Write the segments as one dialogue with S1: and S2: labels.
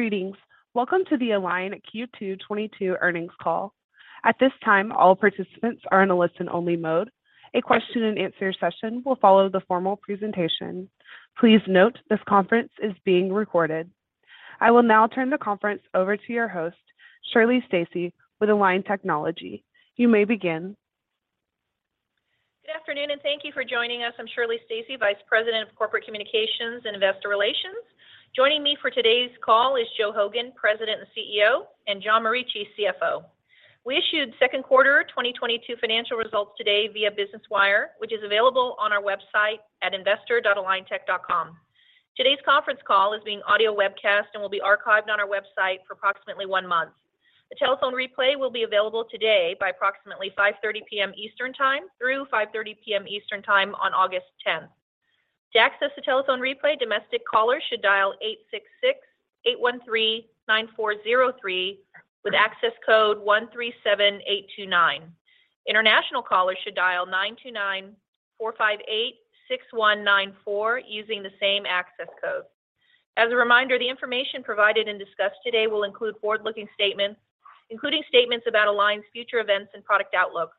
S1: Greetings. Welcome to the Align Q2 2022 earnings call. At this time, all participants are in a listen only mode. A question and answer session will follow the formal presentation. Please note this conference is being recorded. I will now turn the conference over to your host, Shirley Stacy with Align Technology. You may begin.
S2: Good afternoon, and thank you for joining us. I'm Shirley Stacy, Vice President of Corporate Communications and Investor Relations. Joining me for today's call is Joe Hogan, President and CEO, and John Morici, CFO. We issued second quarter 2022 financial results today via Business Wire, which is available on our website at investor.aligntech.com. Today's conference call is being audio webcast and will be archived on our website for approximately one month. The telephone replay will be available today by approximately 5:30 P.M. Eastern time through 5:30 P.M. Eastern time on August 10. To access the telephone replay, domestic callers should dial 866-813-9403 with access code 137829. International callers should dial 929-458-6194 using the same access code. As a reminder, the information provided and discussed today will include forward-looking statements, including statements about Align's future events and product outlook.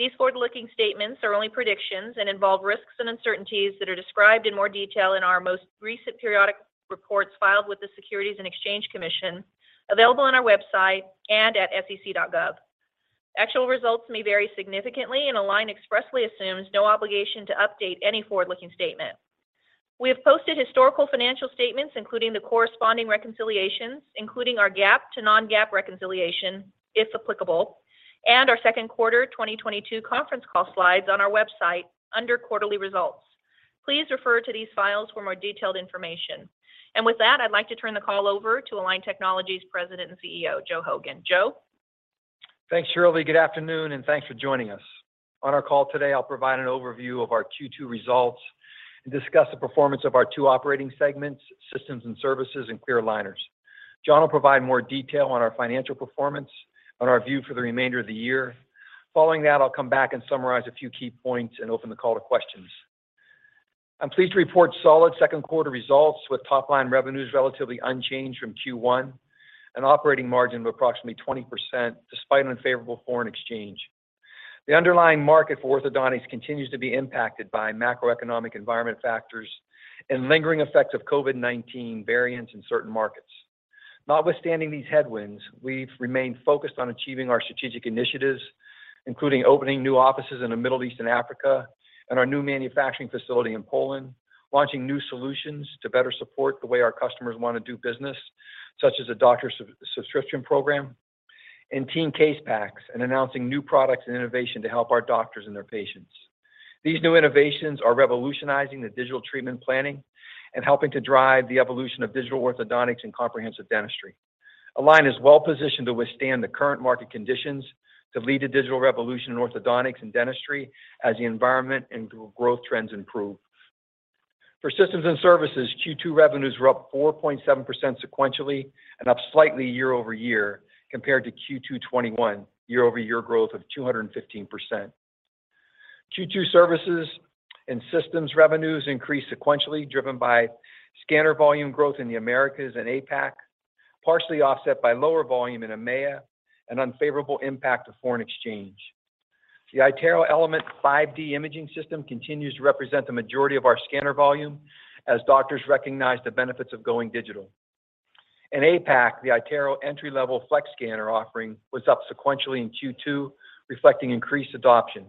S2: These forward-looking statements are only predictions and involve risks and uncertainties that are described in more detail in our most recent periodic reports filed with the Securities and Exchange Commission, available on our website and at sec.gov. Actual results may vary significantly and Align expressly assumes no obligation to update any forward-looking statement. We have posted historical financial statements, including the corresponding reconciliations, including our GAAP to non-GAAP reconciliation, if applicable, and our second quarter 2022 conference call slides on our website under quarterly results. Please refer to these files for more detailed information. With that, I'd like to turn the call over to Align Technology's President and CEO, Joe Hogan. Joe.
S3: Thanks, Shirley. Good afternoon, and thanks for joining us. On our call today, I'll provide an overview of our Q2 results and discuss the performance of our two operating segments, systems and services, and clear aligners. John will provide more detail on our financial performance, on our view for the remainder of the year. Following that, I'll come back and summarize a few key points and open the call to questions. I'm pleased to report solid second quarter results with top line revenues relatively unchanged from Q1, an operating margin of approximately 20% despite an unfavorable foreign exchange. The underlying market for orthodontics continues to be impacted by macroeconomic environment factors and lingering effects of COVID-19 variants in certain markets. Notwithstanding these headwinds, we've remained focused on achieving our strategic initiatives, including opening new offices in the Middle East and Africa, and our new manufacturing facility in Poland, launching new solutions to better support the way our customers want to do business, such as a Doctor Subscription Program and Teen Case Packs, and announcing new products and innovation to help our doctors and their patients. These new innovations are revolutionizing the digital treatment planning and helping to drive the evolution of digital orthodontics and comprehensive dentistry. Align is well-positioned to withstand the current market conditions to lead a digital revolution in orthodontics and dentistry as the environment and growth trends improve. For systems and services, Q2 revenues were up 4.7% sequentially and up slightly year-over-year compared to Q2 2021, year-over-year growth of 215%. Q2 services and systems revenues increased sequentially, driven by scanner volume growth in the Americas and APAC, partially offset by lower volume in EMEA and unfavorable impact of foreign exchange. The iTero Element 5D imaging system continues to represent the majority of our scanner volume as doctors recognize the benefits of going digital. In APAC, the iTero Element Flex scanner offering was up sequentially in Q2, reflecting increased adoption.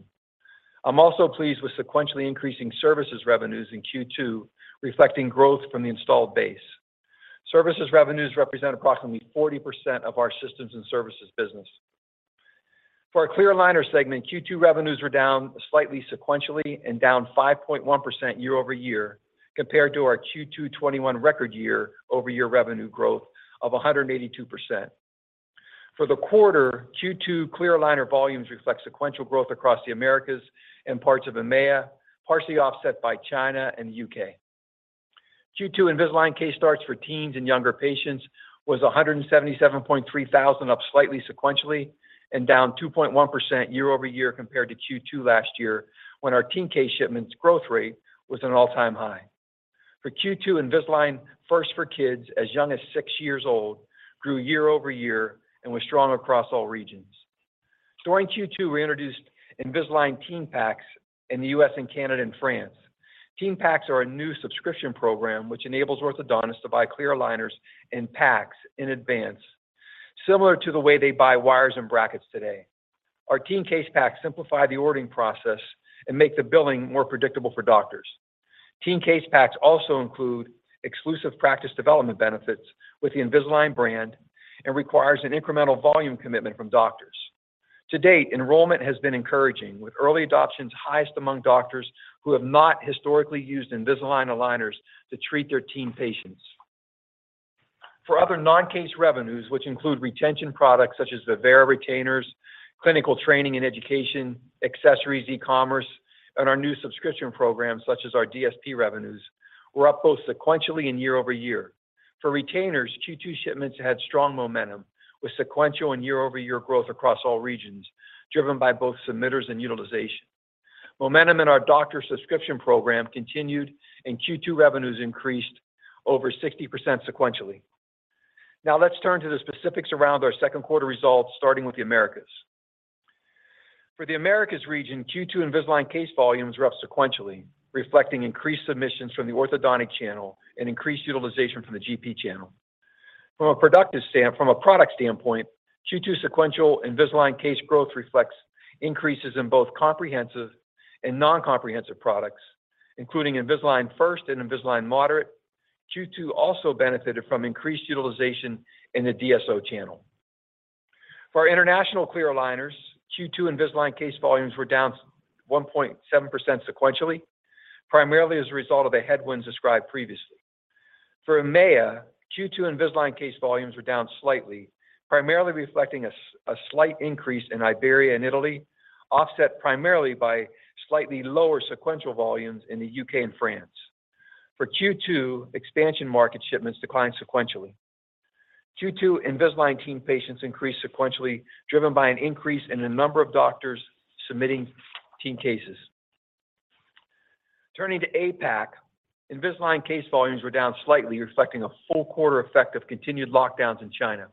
S3: I'm also pleased with sequentially increasing services revenues in Q2, reflecting growth from the installed base. Services revenues represent approximately 40% of our systems and services business. For our clear aligner segment, Q2 revenues were down slightly sequentially and down 5.1% year-over-year compared to our Q2 2021 record year-over-year revenue growth of 182%. For the quarter, Q2 clear aligner volumes reflect sequential growth across the Americas and parts of EMEA, partially offset by China and the U.K. Q2 Invisalign case starts for teens and younger patients was 177,300, up slightly sequentially and down 2.1% year-over-year compared to Q2 last year when our teen case shipments growth rate was at an all-time high. For Q2, Invisalign First for kids as young as six years old grew year-over-year and was strong across all regions. During Q2, we introduced Invisalign teen packs in the U.S. and Canada and France. Teen packs are a new subscription program which enables orthodontists to buy clear aligners in packs in advance, similar to the way they buy wires and brackets today. Our Teen Case Packs simplify the ordering process and make the billing more predictable for doctors. Teen Case Packs also include exclusive practice development benefits with the Invisalign brand and requires an incremental volume commitment from doctors. To date, enrollment has been encouraging, with early adoptions highest among doctors who have not historically used Invisalign aligners to treat their teen patients. For other non-case revenues, which include retention products such as Vivera retainers, clinical training and education, accessories, e-commerce, and our new subscription programs such as our DSP revenues, were up both sequentially and year-over-year. For retainers, Q2 shipments had strong momentum with sequential and year-over-year growth across all regions, driven by both submitters and utilization. Momentum in our Doctor Subscription Program continued, and Q2 revenues increased over 60% sequentially. Now let's turn to the specifics around our second quarter results, starting with the Americas. For the Americas region, Q2 Invisalign case volumes were up sequentially, reflecting increased submissions from the orthodontic channel and increased utilization from the GP channel. From a product standpoint, Q2 sequential Invisalign case growth reflects increases in both comprehensive and non-comprehensive products, including Invisalign First and Invisalign Moderate. Q2 also benefited from increased utilization in the DSO channel. For our international clear aligners, Q2 Invisalign case volumes were down 1.7% sequentially, primarily as a result of the headwinds described previously. For EMEA, Q2 Invisalign case volumes were down slightly, primarily reflecting a slight increase in Iberia and Italy, offset primarily by slightly lower sequential volumes in the U.K. and France. For Q2, expansion market shipments declined sequentially. Q2 Invisalign teen patients increased sequentially, driven by an increase in the number of doctors submitting teen cases. Turning to APAC, Invisalign case volumes were down slightly, reflecting a full quarter effect of continued lockdowns in China.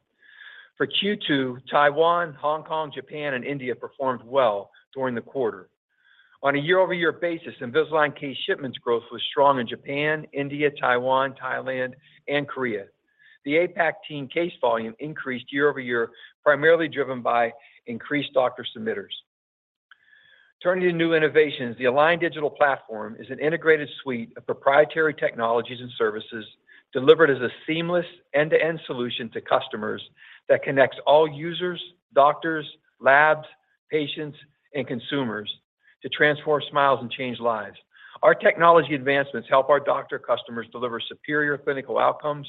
S3: For Q2, Taiwan, Hong Kong, Japan, and India performed well during the quarter. On a year-over-year basis, Invisalign case shipments growth was strong in Japan, India, Taiwan, Thailand, and Korea. The APAC teen case volume increased year over year, primarily driven by increased doctor submitters. Turning to new innovations, the Align Digital Platform is an integrated suite of proprietary technologies and services delivered as a seamless end-to-end solution to customers that connects all users, doctors, labs, patients, and consumers to transform smiles and change lives. Our technology advancements help our doctor customers deliver superior clinical outcomes,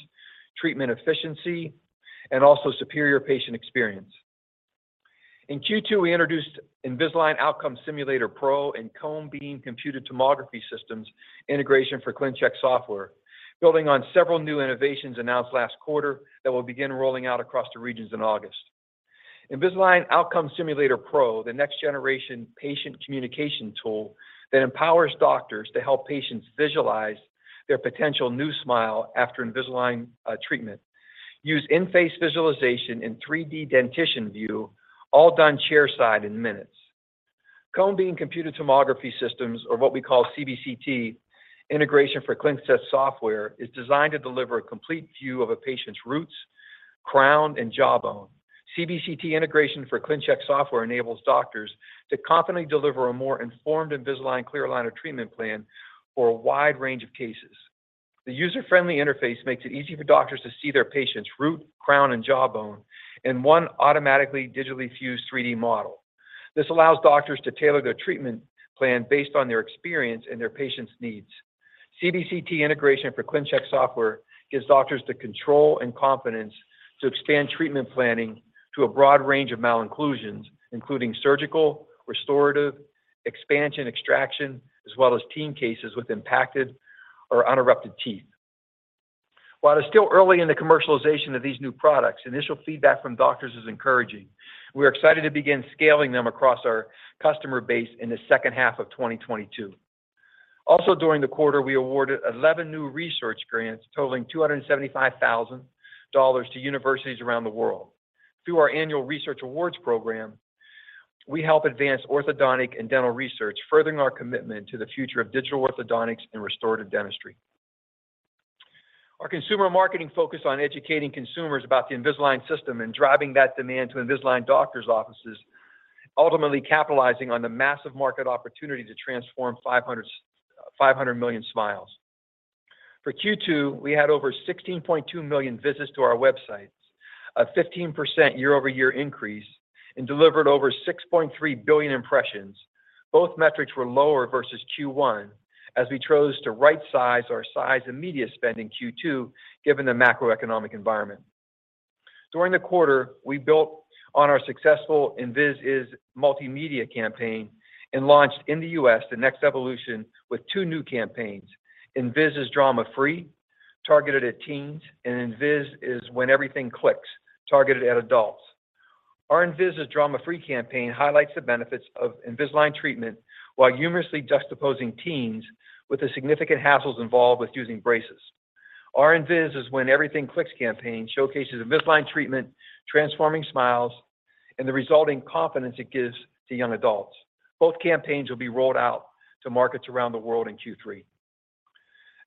S3: treatment efficiency, and also superior patient experience. In Q2, we introduced Invisalign Outcome Simulator Pro and Cone Beam Computed Tomography systems integration for ClinCheck software, building on several new innovations announced last quarter that will begin rolling out across the regions in August. Invisalign Outcome Simulator Pro, the next generation patient communication tool that empowers doctors to help patients visualize their potential new smile after Invisalign treatment using in-face visualization and 3D dentition view, all done chairside in minutes. Cone Beam Computed Tomography systems or what we call CBCT integration for ClinCheck software is designed to deliver a complete view of a patient's roots, crown, and jawbone. CBCT integration for ClinCheck software enables doctors to confidently deliver a more informed Invisalign clear aligner treatment plan for a wide range of cases. The user-friendly interface makes it easy for doctors to see their patient's root, crown, and jawbone in one automatically digitally fused 3D model. This allows doctors to tailor their treatment plan based on their experience and their patients' needs. CBCT integration for ClinCheck software gives doctors the control and confidence to expand treatment planning to a broad range of malocclusions, including surgical, restorative, expansion, extraction, as well as teen cases with impacted or unerupted teeth. While it's still early in the commercialization of these new products, initial feedback from doctors is encouraging. We're excited to begin scaling them across our customer base in the second half of 2022. Also, during the quarter, we awarded 11 new research grants totaling $275,000 to universities around the world. Through our annual research awards program, we help advance orthodontic and dental research, furthering our commitment to the future of digital orthodontics and restorative dentistry. Our consumer marketing focus on educating consumers about the Invisalign system and driving that demand to Invisalign doctor's offices, ultimately capitalizing on the massive market opportunity to transform 500 million smiles. For Q2, we had over 16.2 million visits to our websites, a 15% year-over-year increase, and delivered over 6.3 billion impressions. Both metrics were lower versus Q1 as we chose to right-size our size and media spend in Q2 given the macroeconomic environment. During the quarter, we built on our successful Invis is multimedia campaign and launched in the U.S. the next evolution with two new campaigns, Invis is Drama Free, targeted at teens, and Invis is When Everything Clicks, targeted at adults. Our Invis is Drama Free campaign highlights the benefits of Invisalign treatment while humorously juxtaposing teens with the significant hassles involved with using braces. Our Invis is When Everything Clicks campaign showcases Invisalign treatment, transforming smiles, and the resulting confidence it gives to young adults. Both campaigns will be rolled out to markets around the world in Q3.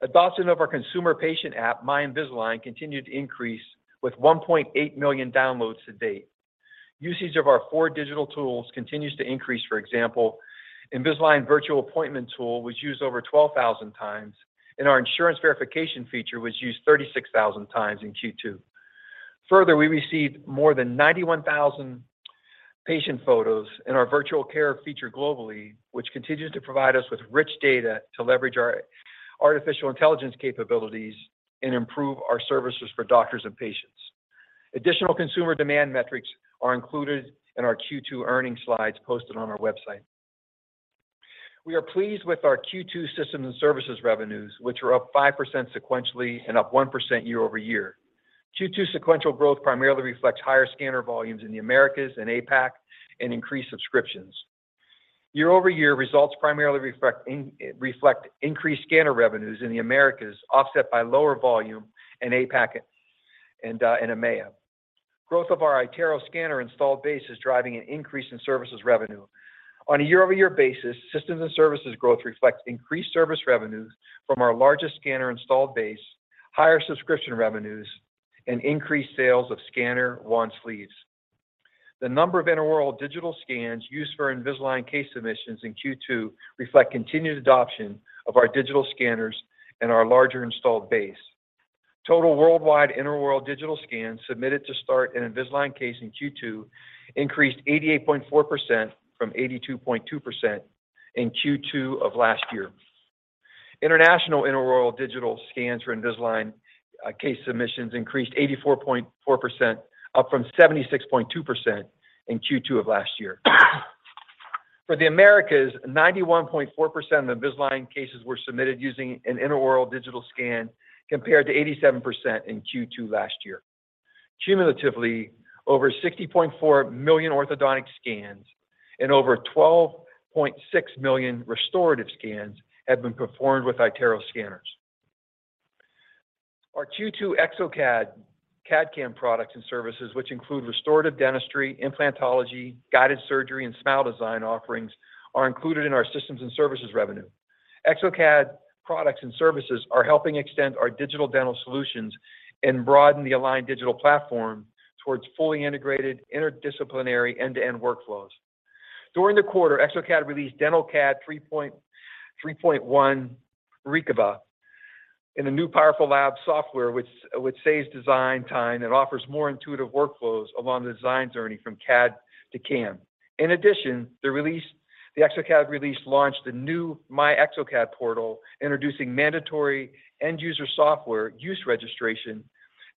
S3: Adoption of our consumer patient app, My Invisalign, continued to increase with 1.8 million downloads to date. Usage of our four digital tools continues to increase. For example, Invisalign Virtual Appointment tool was used over 12,000 times, and our insurance verification feature was used 36,000 times in Q2. Further, we received more than 91,000 patient photos in our virtual care feature globally, which continues to provide us with rich data to leverage our artificial intelligence capabilities and improve our services for doctors and patients. Additional consumer demand metrics are included in our Q2 earnings slides posted on our website. We are pleased with our Q2 systems and services revenues, which are up 5% sequentially and up 1% year over year. Q2 sequential growth primarily reflects higher scanner volumes in the Americas and APAC, and increased subscriptions. Year-over-year results primarily reflect increased scanner revenues in the Americas, offset by lower volume in APAC and in EMEA. Growth of our iTero scanner installed base is driving an increase in services revenue. On a year-over-year basis, systems and services growth reflects increased service revenues from our largest scanner installed base, higher subscription revenues, and increased sales of scanner wand sleeves. The number of intraoral digital scans used for Invisalign case submissions in Q2 reflect continued adoption of our digital scanners and our larger installed base. Total worldwide intraoral digital scans submitted to start an Invisalign case in Q2 increased 88.4% from 82.2% in Q2 of last year. International intraoral digital scans for Invisalign case submissions increased 84.4%, up from 76.2% in Q2 of last year. For the Americas, 91.4% of Invisalign cases were submitted using an intraoral digital scan, compared to 87% in Q2 last year. Cumulatively, over 60.4 million orthodontic scans and over 12.6 million restorative scans have been performed with iTero scanners. Our Q2 exocad CAD/CAM products and services, which include restorative dentistry, implantology, guided surgery, and smile design offerings, are included in our systems and services revenue. Exocad products and services are helping extend our digital dental solutions and broaden the Align Digital Platform towards fully integrated, interdisciplinary, end-to-end workflows. During the quarter, exocad released DentalCAD 3.1 Rijeka, and a new powerful lab software which saves design time and offers more intuitive workflows along the design journey from CAD to CAM. In addition, the exocad release launched the new my.exocad portal, introducing mandatory end-user software use registration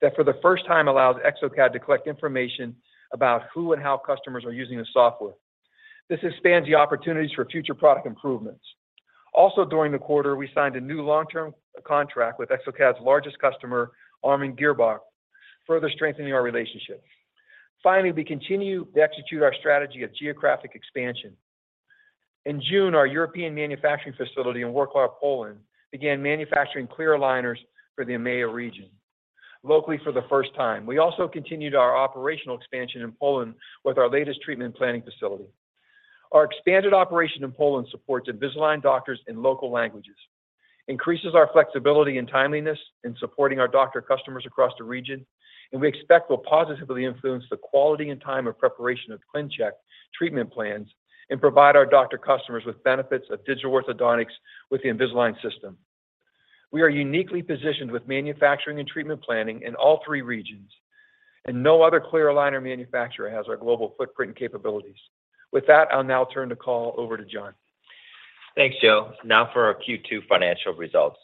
S3: that for the first time allows exocad to collect information about who and how customers are using the software. This expands the opportunities for future product improvements. Also, during the quarter, we signed a new long-term contract with exocad's largest customer, Amann Girrbach, further strengthening our relationship. Finally, we continue to execute our strategy of geographic expansion. In June, our European manufacturing facility in Wrocław, Poland, began manufacturing clear aligners for the EMEA region, locally for the first time. We also continued our operational expansion in Poland with our latest treatment planning facility. Our expanded operation in Poland supports Invisalign doctors in local languages, increases our flexibility and timeliness in supporting our doctor customers across the region, and we expect will positively influence the quality and time of preparation of ClinCheck treatment plans, and provide our doctor customers with benefits of digital orthodontics with the Invisalign system. We are uniquely positioned with manufacturing and treatment planning in all three regions, and no other clear aligner manufacturer has our global footprint and capabilities. With that, I'll now turn the call over to John.
S4: Thanks, Joe. Now for our Q2 financial results.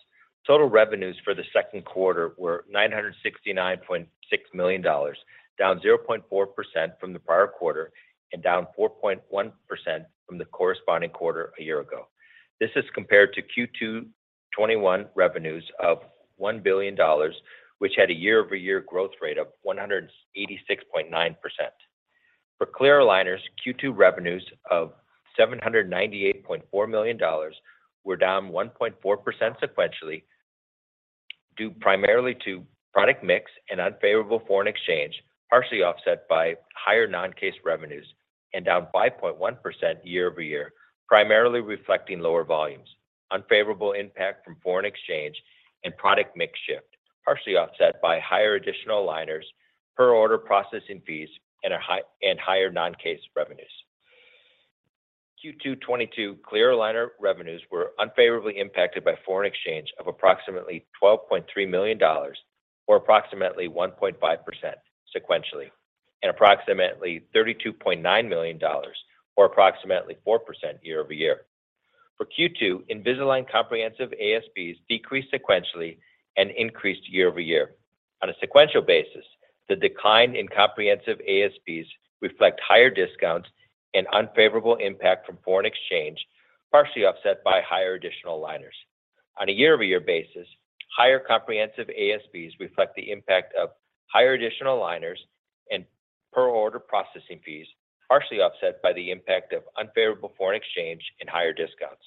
S4: Total revenues for the second quarter were $969.6 million, down 0.4% from the prior quarter and down 4.1% from the corresponding quarter a year ago. This is compared to Q2 2021 revenues of $1 billion, which had a year-over-year growth rate of 186.9%. For clear aligners, Q2 revenues of $798.4 million were down 1.4% sequentially, due primarily to product mix and unfavorable foreign exchange, partially offset by higher non-case revenues and down 5.1% year-over-year, primarily reflecting lower volumes, unfavorable impact from foreign exchange and product mix shift, partially offset by higher additional aligners, per order processing fees and higher non-case revenues. Q2 2022 clear aligner revenues were unfavorably impacted by foreign exchange of approximately $12.3 million or approximately 1.5% sequentially, and approximately $32.9 million or approximately 4% year-over-year. For Q2, Invisalign comprehensive ASPs decreased sequentially and increased year-over-year. On a sequential basis, the decline in comprehensive ASPs reflect higher discounts and unfavorable impact from foreign exchange, partially offset by higher additional aligners. On a year-over-year basis, higher comprehensive ASPs reflect the impact of higher additional aligners and per order processing fees, partially offset by the impact of unfavorable foreign exchange and higher discounts.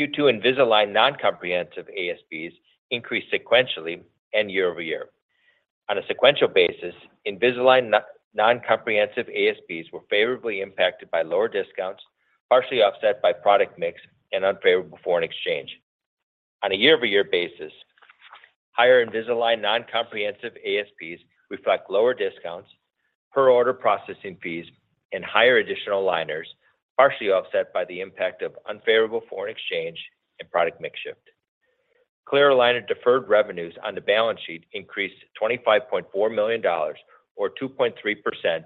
S4: Q2 Invisalign non-comprehensive ASPs increased sequentially and year-over-year. On a sequential basis, Invisalign non-comprehensive ASPs were favorably impacted by lower discounts, partially offset by product mix and unfavorable foreign exchange. On a year-over-year basis, higher Invisalign non-comprehensive ASPs reflect lower discounts, per order processing fees, and higher additional aligners, partially offset by the impact of unfavorable foreign exchange and product mix shift. Clear aligner deferred revenues on the balance sheet increased $25.4 million or 2.3%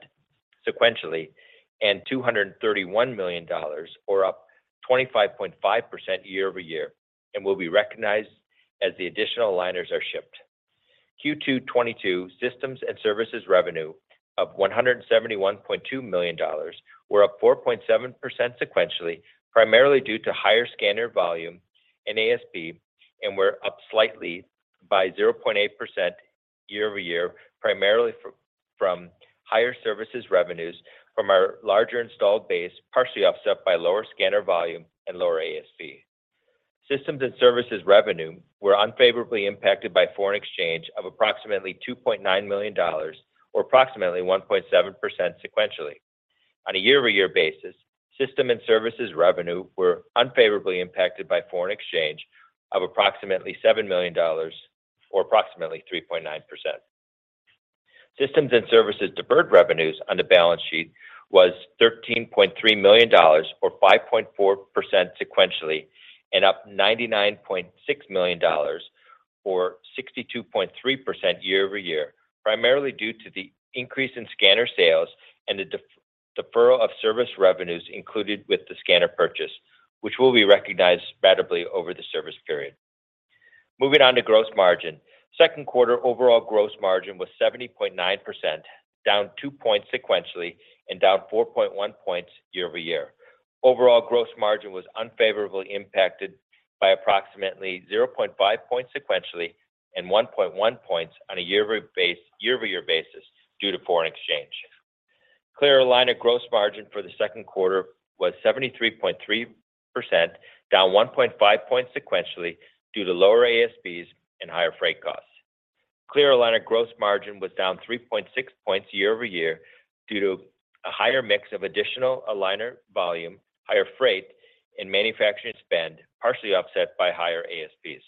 S4: sequentially, and $231 million or up 25.5% year-over-year, and will be recognized as the additional aligners are shipped. Q2 2022 systems and services revenue of $171.2 million were up 4.7% sequentially, primarily due to higher scanner volume and ASP, and we're up slightly by 0.8% year-over-year, primarily from higher services revenues from our larger installed base, partially offset by lower scanner volume and lower ASP. Systems and services revenue were unfavorably impacted by foreign exchange of approximately $2.9 million or approximately 1.7% sequentially. On a year-over-year basis, systems and services revenue were unfavorably impacted by foreign exchange of approximately $7 million or approximately 3.9%. Systems and services deferred revenues on the balance sheet was $13.3 million or 5.4% sequentially, and up $99.6 million or 62.3% year-over-year, primarily due to the increase in scanner sales and the deferral of service revenues included with the scanner purchase, which will be recognized ratably over the service period. Moving on to gross margin. Second quarter overall gross margin was 70.9%, down 2 points sequentially and down 4.1 points year-over-year. Overall gross margin was unfavorably impacted by approximately 0.5 points sequentially and 1.1 points on a year-over-year basis due to foreign exchange. Clear aligner gross margin for the second quarter was 73.3%, down 1.5 points sequentially due to lower ASPs and higher freight costs. Clear aligner gross margin was down 3.6 points year-over-year due to a higher mix of additional aligner volume, higher freight, and manufacturing spend, partially offset by higher ASPs.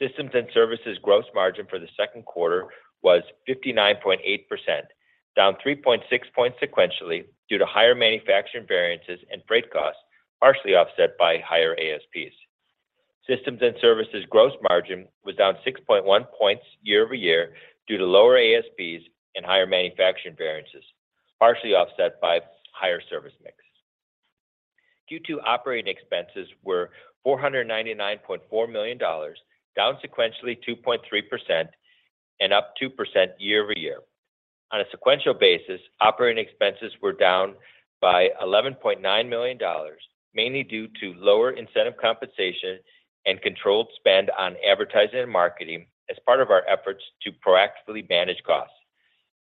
S4: Systems and services gross margin for the second quarter was 59.8%, down 3.6 points sequentially due to higher manufacturing variances and freight costs, partially offset by higher ASPs. Systems and services gross margin was down 6.1 points year-over-year due to lower ASPs and higher manufacturing variances, partially offset by higher service mix. Q2 operating expenses were $499.4 million, down sequentially 2.3% and up 2% year-over-year. On a sequential basis, operating expenses were down by $11.9 million, mainly due to lower incentive compensation and controlled spend on advertising and marketing as part of our efforts to proactively manage costs.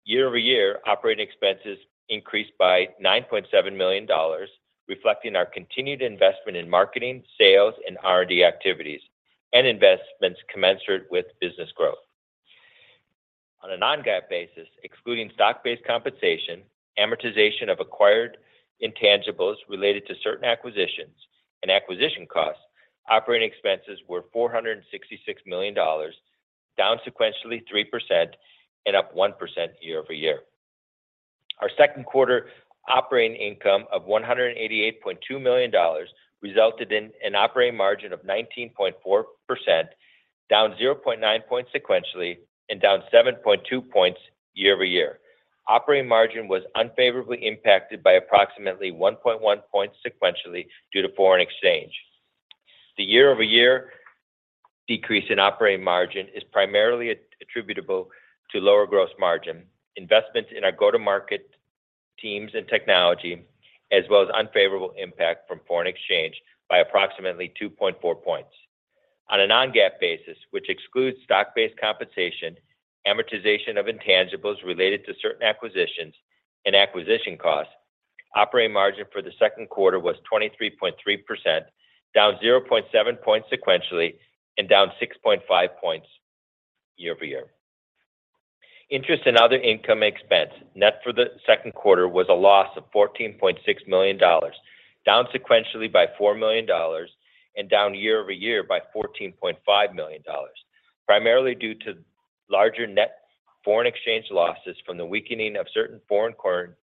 S4: Year-over-year, operating expenses increased by $9.7 million, reflecting our continued investment in marketing, sales, and R&D activities, and investments commensurate with business growth. On a non-GAAP basis, excluding stock-based compensation, amortization of acquired intangibles related to certain acquisitions, and acquisition costs, operating expenses were $466 million, down sequentially 3% and up 1% year-over-year. Our second quarter operating income of $188.2 million resulted in an operating margin of 19.4%, down 0.9 points sequentially and down 7.2 points year-over-year. Operating margin was unfavorably impacted by approximately 1.1 points sequentially due to foreign exchange. The year-over-year decrease in operating margin is primarily attributable to lower gross margin, investments in our go-to-market teams and technology, as well as unfavorable impact from foreign exchange by approximately 2.4 points. On a non-GAAP basis, which excludes stock-based compensation, amortization of intangibles related to certain acquisitions, and acquisition costs, operating margin for the second quarter was 23.3%, down 0.7 points sequentially and down 6.5 points year-over-year. Interest and other income expense net for the second quarter was a loss of $14.6 million, down sequentially by $4 million and down year-over-year by $14.5 million, primarily due to larger net foreign exchange losses from the weakening of certain foreign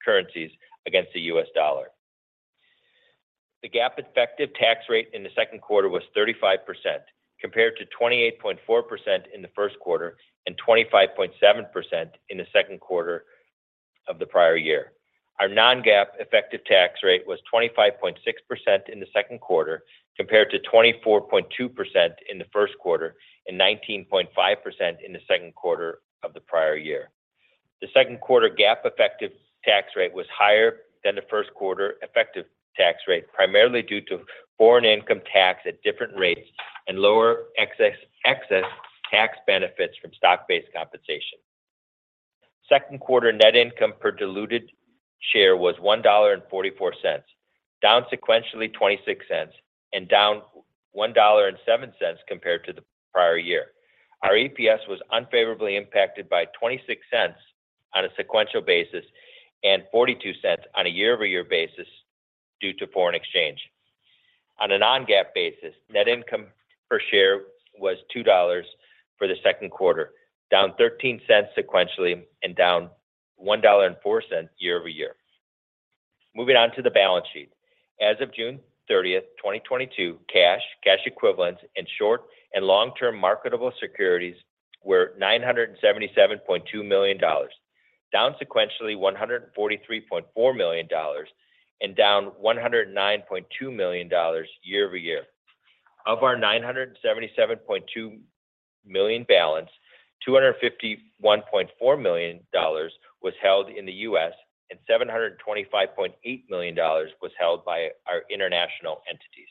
S4: currencies against the U.S. dollar. The GAAP effective tax rate in the second quarter was 35%, compared to 28.4% in the first quarter and 25.7% in the second quarter of the prior year. Our non-GAAP effective tax rate was 25.6% in the second quarter, compared to 24.2% in the first quarter and 19.5% in the second quarter of the prior year. The second quarter GAAP effective tax rate was higher than the first quarter effective tax rate, primarily due to foreign income tax at different rates and lower excess tax benefits from stock-based compensation. Second quarter net income per diluted share was $1.44, down sequentially $0.26 and down $1.07 compared to the prior year. Our EPS was unfavorably impacted by $0.26 on a sequential basis and $0.42 on a year-over-year basis due to foreign exchange. On a non-GAAP basis, net income per share was $2 for the second quarter, down $0.13 sequentially and down $1.04 year-over-year. Moving on to the balance sheet. As of June 30th, 2022, cash equivalents, and short- and long-term marketable securities were $977.2 million, down sequentially $143.4 million, and down $109.2 million year-over-year. Of our $977.2 million balance, $251.4 million was held in the U.S., and $725.8 million was held by our international entities.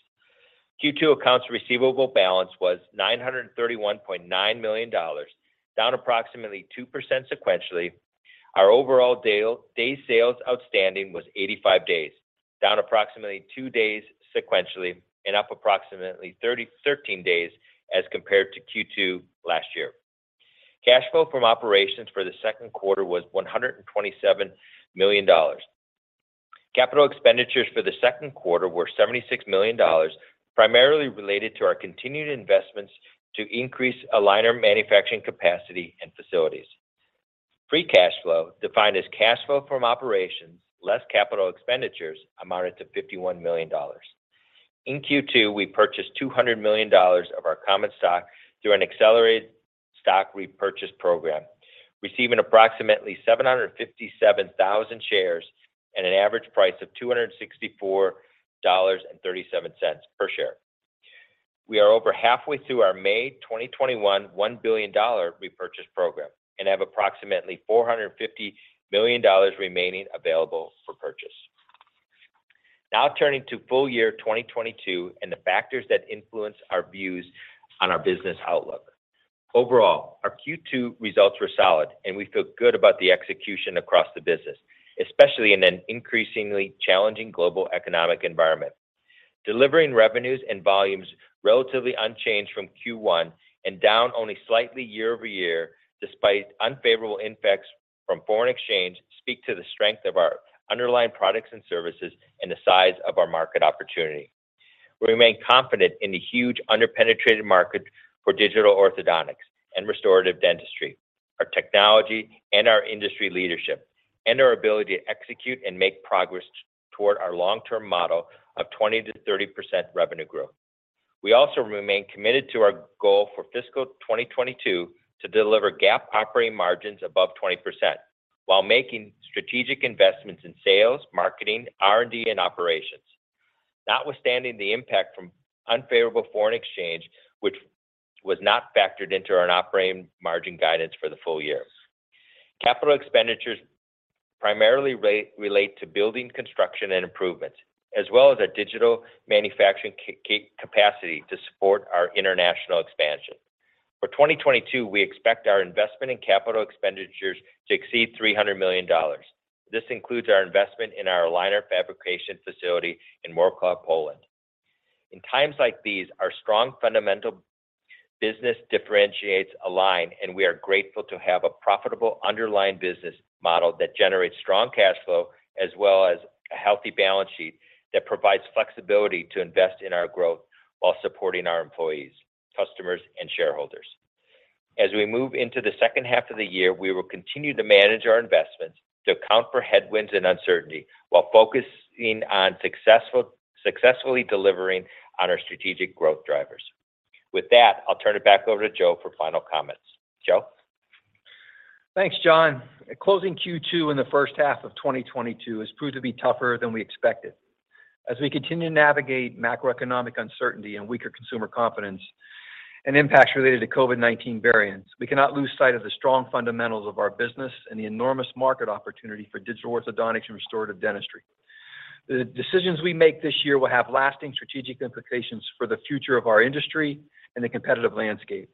S4: Q2 accounts receivable balance was $931.9 million, down approximately 2% sequentially. Our overall days sales outstanding was 85 days, down approximately two days sequentially, and up approximately 13 days as compared to Q2 last year. Cash flow from operations for the second quarter was $127 million. Capital expenditures for the second quarter were $76 million, primarily related to our continued investments to increase aligner manufacturing capacity and facilities. Free cash flow, defined as cash flow from operations, less capital expenditures, amounted to $51 million. In Q2, we purchased $200 million of our common stock through an accelerated stock repurchase program, receiving approximately 757,000 shares at an average price of $264.37 per share. We are over halfway through our May 2021 $1 billion repurchase program, and have approximately $450 million remaining available for purchase. Now turning to full year 2022 and the factors that influence our views on our business outlook. Overall, our Q2 results were solid, and we feel good about the execution across the business, especially in an increasingly challenging global economic environment. Delivering revenues and volumes relatively unchanged from Q1 and down only slightly year-over-year despite unfavorable impacts from foreign exchange, speak to the strength of our underlying products and services and the size of our market opportunity. We remain confident in the huge under-penetrated market for digital orthodontics and restorative dentistry, our technology and our industry leadership, and our ability to execute and make progress toward our long-term model of 20%-30% revenue growth. We also remain committed to our goal for fiscal 2022 to deliver GAAP operating margins above 20% while making strategic investments in sales, marketing, R&D, and operations. Notwithstanding the impact from unfavorable foreign exchange, which was not factored into our operating margin guidance for the full year. Capital expenditures primarily relate to building construction and improvements, as well as a digital manufacturing capacity to support our international expansion. For 2022, we expect our investment in capital expenditures to exceed $300 million. This includes our investment in our aligner fabrication facility in Wrocław, Poland. In times like these, our strong fundamental business differentiates Align, and we are grateful to have a profitable underlying business model that generates strong cash flow, as well as a healthy balance sheet that provides flexibility to invest in our growth while supporting our employees, customers, and shareholders. As we move into the second half of the year, we will continue to manage our investments to account for headwinds and uncertainty while focusing on successfully delivering on our strategic growth drivers. With that, I'll turn it back over to Joe for final comments. Joe?
S3: Thanks, John. Closing Q2 in the first half of 2022 has proved to be tougher than we expected. As we continue to navigate macroeconomic uncertainty and weaker consumer confidence and impacts related to COVID-19 variants, we cannot lose sight of the strong fundamentals of our business and the enormous market opportunity for digital orthodontics and restorative dentistry. The decisions we make this year will have lasting strategic implications for the future of our industry and the competitive landscape.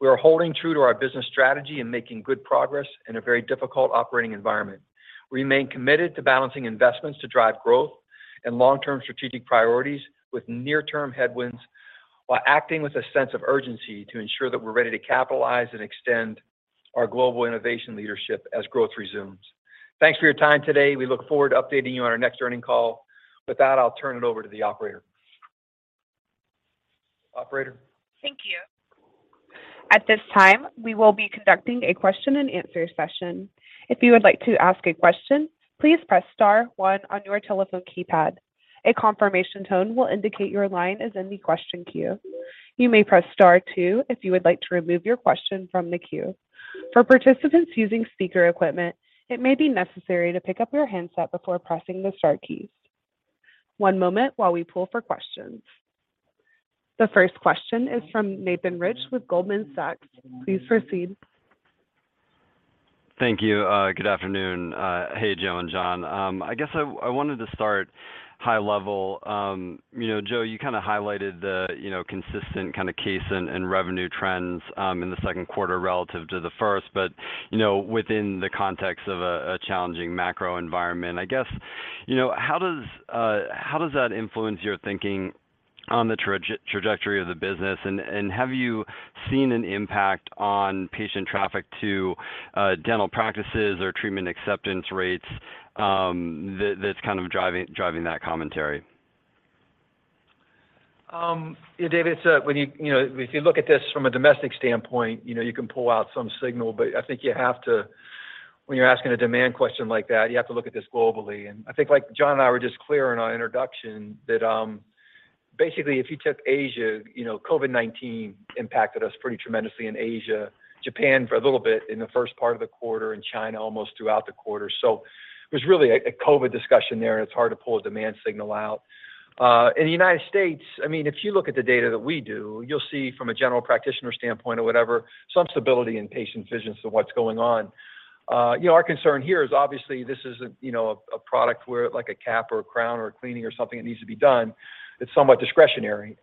S3: We are holding true to our business strategy and making good progress in a very difficult operating environment. We remain committed to balancing investments to drive growth and long-term strategic priorities with near-term headwinds, while acting with a sense of urgency to ensure that we're ready to capitalize and extend our global innovation leadership as growth resumes. Thanks for your time today. We look forward to updating you on our next earnings call. With that, I'll turn it over to the operator. Operator?
S1: Thank you. At this time, we will be conducting a question and answer session. If you would like to ask a question, please press star one on your telephone keypad. A confirmation tone will indicate your line is in the question queue. You may press star two if you would like to remove your question from the queue. For participants using speaker equipment, it may be necessary to pick up your handset before pressing the star keys. One moment while we pull for questions. The first question is from Nathan Rich with Goldman Sachs. Please proceed.
S5: Thank you. Good afternoon. Hey, Joe and John. I guess I wanted to start high level. You know, Joe, you kind of highlighted the, you know, consistent kind of case and revenue trends in the second quarter relative to the first. You know, within the context of a challenging macro environment, I guess, you know, how does that influence your thinking on the trajectory of the business? Have you seen an impact on patient traffic to dental practices or treatment acceptance rates, that's kind of driving that commentary?
S3: Yeah, Nathan Rich, it's you know, if you look at this from a domestic standpoint, you know, you can pull out some signal, but I think you have to. When you're asking a demand question like that, you have to look at this globally. I think like John Morici and I were just clear in our introduction that basically, if you took Asia, you know, COVID-19 impacted us pretty tremendously in Asia, Japan for a little bit in the first part of the quarter, and China almost throughout the quarter. There's really a COVID discussion there, and it's hard to pull a demand signal out. In the United States, I mean, if you look at the data that we do, you'll see from a general practitioner standpoint or whatever, some stability in patient visits to what's going on. You know, our concern here is obviously this isn't, you know, a product where like a cap or a crown or a cleaning or something that needs to be done. It's somewhat discretionary.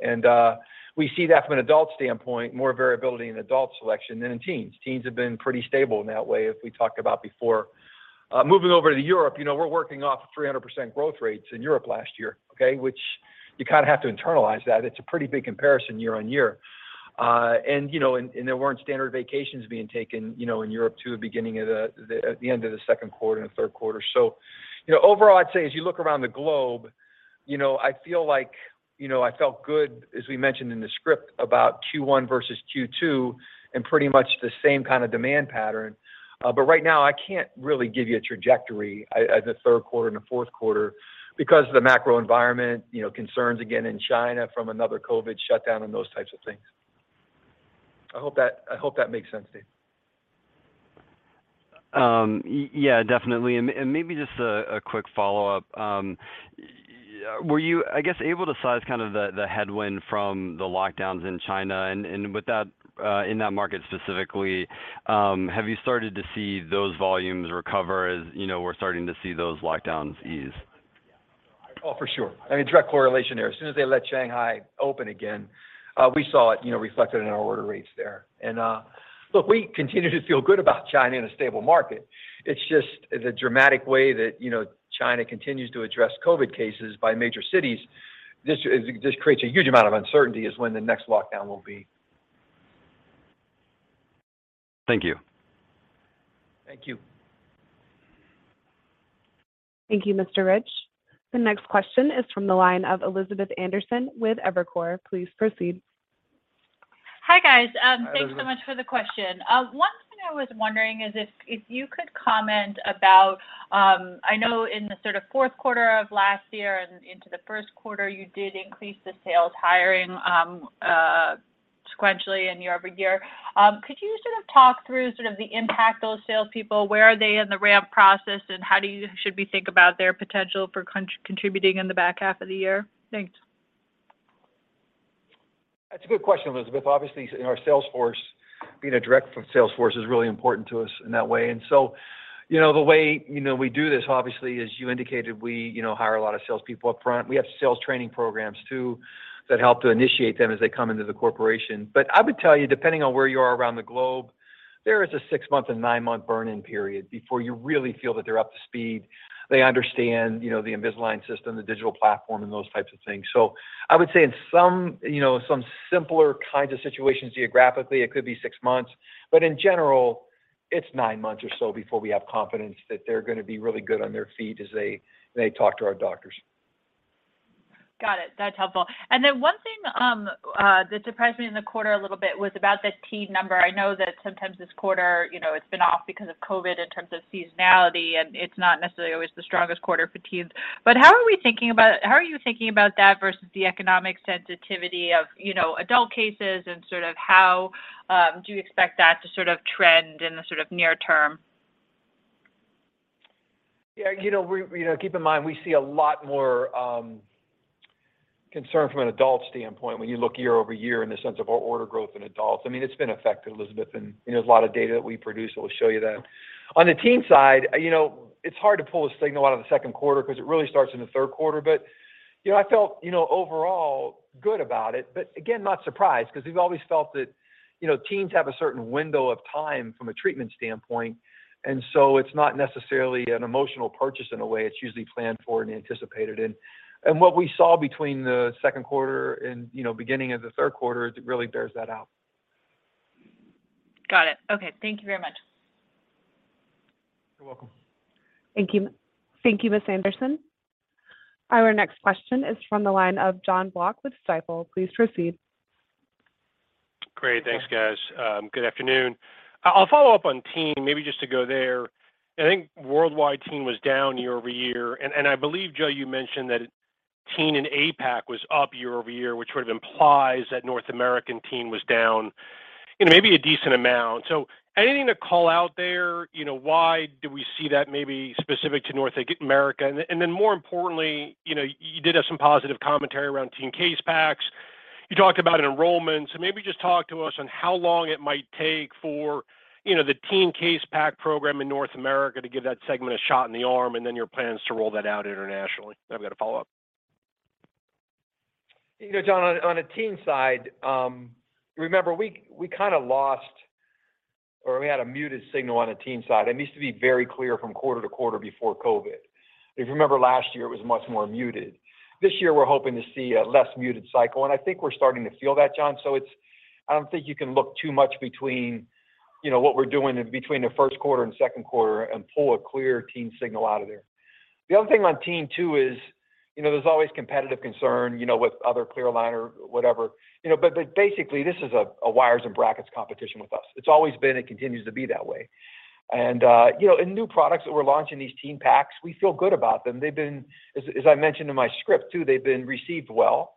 S3: We see that from an adult standpoint, more variability in adult selection than in teens. Teens have been pretty stable in that way, as we talked about before. Moving over to Europe, you know, we're working off 300% growth rates in Europe last year, okay? Which you kind of have to internalize that. It's a pretty big comparison year-on-year. You know, there weren't standard vacations being taken, you know, in Europe to the end of the second quarter and the third quarter. You know, overall, I'd say as you look around the globe, you know, I feel like, you know, I felt good, as we mentioned in the script, about Q1 versus Q2 and pretty much the same kind of demand pattern. Right now, I can't really give you a trajectory at the third quarter and the fourth quarter because of the macro environment, you know, concerns again in China from another COVID shutdown and those types of things. I hope that makes sense, Nathan.
S5: Yeah, definitely. Maybe just a quick follow-up. Were you, I guess, able to size kind of the headwind from the lockdowns in China? With that in that market specifically, have you started to see those volumes recover as, you know, we're starting to see those lockdowns ease?
S3: Oh, for sure. I mean, direct correlation there. As soon as they let Shanghai open again, we saw it, you know, reflected in our order rates there. Look, we continue to feel good about China in a stable market. It's just the dramatic way that, you know, China continues to address COVID cases by major cities. This creates a huge amount of uncertainty as to when the next lockdown will be.
S5: Thank you.
S3: Thank you.
S1: Thank you, Mr. Rich. The next question is from the line of Elizabeth Anderson with Evercore. Please proceed.
S6: Hi, guys.
S3: Hi, Elizabeth.
S6: Thanks so much for the question. One thing I was wondering is if you could comment about, I know in the sort of fourth quarter of last year and into the first quarter, you did increase the sales hiring sequentially and year-over-year. Could you sort of talk through sort of the impact those salespeople, where are they in the ramp process, and how should we think about their potential for contributing in the back half of the year? Thanks.
S3: That's a good question, Elizabeth. Obviously, our sales force, being a direct sales force is really important to us in that way. You know, the way, you know, we do this, obviously, as you indicated, we, you know, hire a lot of salespeople up front. We have sales training programs too that help to initiate them as they come into the corporation. I would tell you, depending on where you are around the globe, there is a six-month and nine-month burn-in period before you really feel that they're up to speed. They understand, you know, the Invisalign system, the digital platform, and those types of things. I would say in some, you know, some simpler kinds of situations geographically, it could be six months, but in general, it's nine months or so before we have confidence that they're gonna be really good on their feet as they talk to our doctors.
S6: Got it. That's helpful. Then one thing that surprised me in the quarter a little bit was about the teen number. I know that sometimes this quarter, you know, it's been off because of COVID-19 in terms of seasonality, and it's not necessarily always the strongest quarter for teens. How are you thinking about that versus the economic sensitivity of, you know, adult cases and sort of how do you expect that to sort of trend in the sort of near term?
S3: Yeah, you know, you know, keep in mind, we see a lot more concern from an adult standpoint when you look year-over-year in the sense of our order growth in adults. I mean, it's been affected, Elizabeth, and there's a lot of data that we produce that will show you that. On the teen side, you know, it's hard to pull a signal out of the second quarter because it really starts in the third quarter. You know, I felt, you know, overall good about it. Again, not surprised because we've always felt that, you know, teens have a certain window of time from a treatment standpoint. It's not necessarily an emotional purchase in a way. It's usually planned for and anticipated. What we saw between the second quarter and, you know, beginning of the third quarter is it really bears that out.
S6: Got it. Okay. Thank you very much.
S3: You're welcome.
S1: Thank you. Thank you, Ms. Anderson. Our next question is from the line of Jon Block with Stifel. Please proceed.
S7: Great. Thanks, guys. Good afternoon. I'll follow up on teen, maybe just to go there. I think worldwide teen was down year-over-year. I believe, Joe, you mentioned that teen in APAC was up year-over-year, which sort of implies that North American teen was down, you know, maybe a decent amount. Anything to call out there? You know, why do we see that maybe specific to North America? More importantly, you know, you did have some positive commentary around Teen Case Packs. You talked about enrollments. Maybe just talk to us on how long it might take for, you know, the teen case pack program in North America to give that segment a shot in the arm, and your plans to roll that out internationally. I've got a follow-up.
S3: You know, Jon, on a teen side, remember, we kinda lost or we had a muted signal on the teen side. It used to be very clear from quarter to quarter before COVID. If you remember last year, it was much more muted. This year, we're hoping to see a less muted cycle, and I think we're starting to feel that, Jon. It's. I don't think you can look too much between, you know, what we're doing between the first quarter and second quarter and pull a clear teen signal out of there. The other thing on teen, too, is, you know, there's always competitive concern, you know, with other clear aligner, whatever. You know, but basically, this is a wires and brackets competition with us. It's always been and continues to be that way. You know, in new products that we're launching, these teen packs, we feel good about them. They've been, as I mentioned in my script too, received well.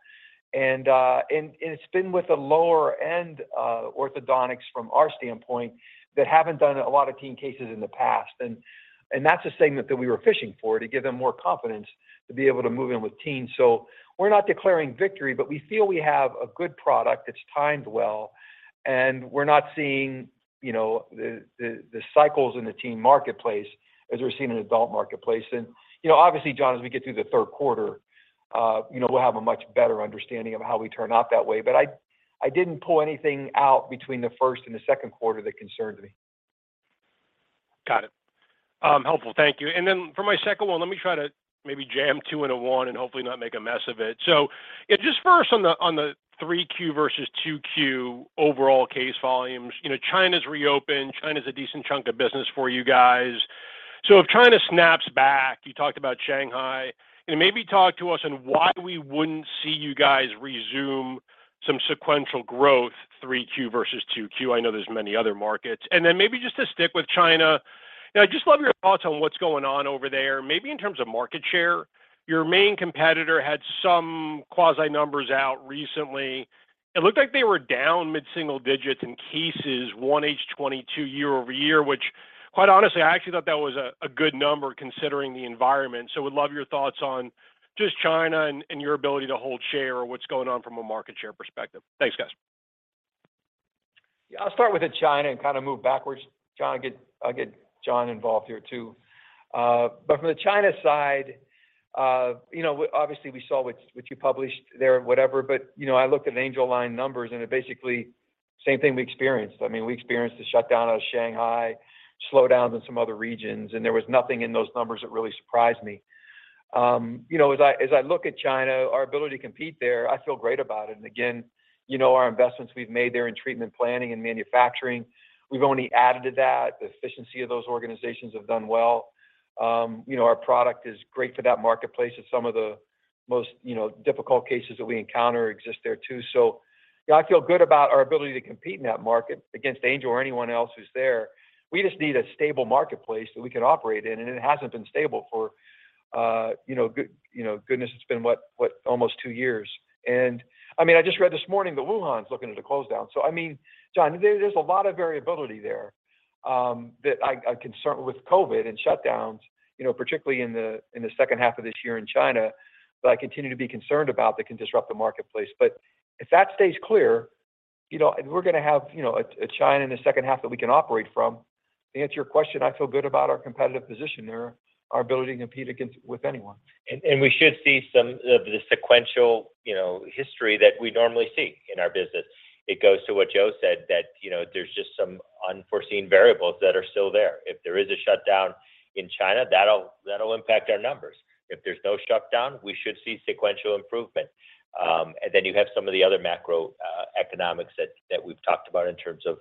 S3: It's been with the lower-end orthodontics from our standpoint that haven't done a lot of teen cases in the past. That's a segment that we were fishing for to give them more confidence to be able to move in with teens. We're not declaring victory, but we feel we have a good product that's timed well, and we're not seeing, you know, the cycles in the teen marketplace as we're seeing in adult marketplace. You know, obviously, John, as we get through the third quarter, you know, we'll have a much better understanding of how we turn out that way. I didn't pull anything out between the first and the second quarter that concerned me.
S7: Got it. Helpful. Thank you. For my second one, let me try to maybe jam two into one and hopefully not make a mess of it. Just first on the 3Q versus 2Q overall case volumes. You know, China's reopened, China's a decent chunk of business for you guys. If China snaps back, you talked about Shanghai, and maybe talk to us on why we wouldn't see you guys resume some sequential growth, 3Q versus 2Q. I know there's many other markets. To stick with China, I'd just love your thoughts on what's going on over there. Maybe in terms of market share. Your main competitor had some quasi numbers out recently. It looked like they were down mid-single digits in cases, 1H 2022 year-over-year, which quite honestly, I actually thought that was a good number considering the environment. Would love your thoughts on just China and your ability to hold share or what's going on from a market share perspective. Thanks, guys.
S3: Yeah, I'll start with China and kind of move backwards. Jon, I'll get John involved here too. From the China side, you know, obviously we saw what you published there, whatever. You know, I looked at Angelalign numbers, and basically same thing we experienced. I mean, we experienced a shutdown out of Shanghai, slowdowns in some other regions, and there was nothing in those numbers that really surprised me. You know, as I look at China, our ability to compete there, I feel great about it. Again, you know, our investments we've made there in treatment planning and manufacturing, we've only added to that. The efficiency of those organizations have done well. You know, our product is great for that marketplace, as some of the most difficult cases that we encounter exist there too. Yeah, I feel good about our ability to compete in that market against Angelalign or anyone else who's there. We just need a stable marketplace that we can operate in, and it hasn't been stable for you know goodness, it's been what almost two years. I mean, I just read this morning that Wuhan's looking at a lockdown. I mean, John, there's a lot of variability there that I'm concerned with COVID and shutdowns, you know, particularly in the second half of this year in China, that I continue to be concerned about that can disrupt the marketplace. If that stays clear, you know, and we're gonna have, you know, a China in the second half that we can operate from, to answer your question, I feel good about our competitive position there, our ability to compete with anyone.
S4: We should see some of the sequential, you know, history that we normally see in our business. It goes to what Joe said, that, you know, there's just some unforeseen variables that are still there. If there is a shutdown in China, that'll impact our numbers. If there's no shutdown, we should see sequential improvement. Then you have some of the other macroeconomics that we've talked about in terms of,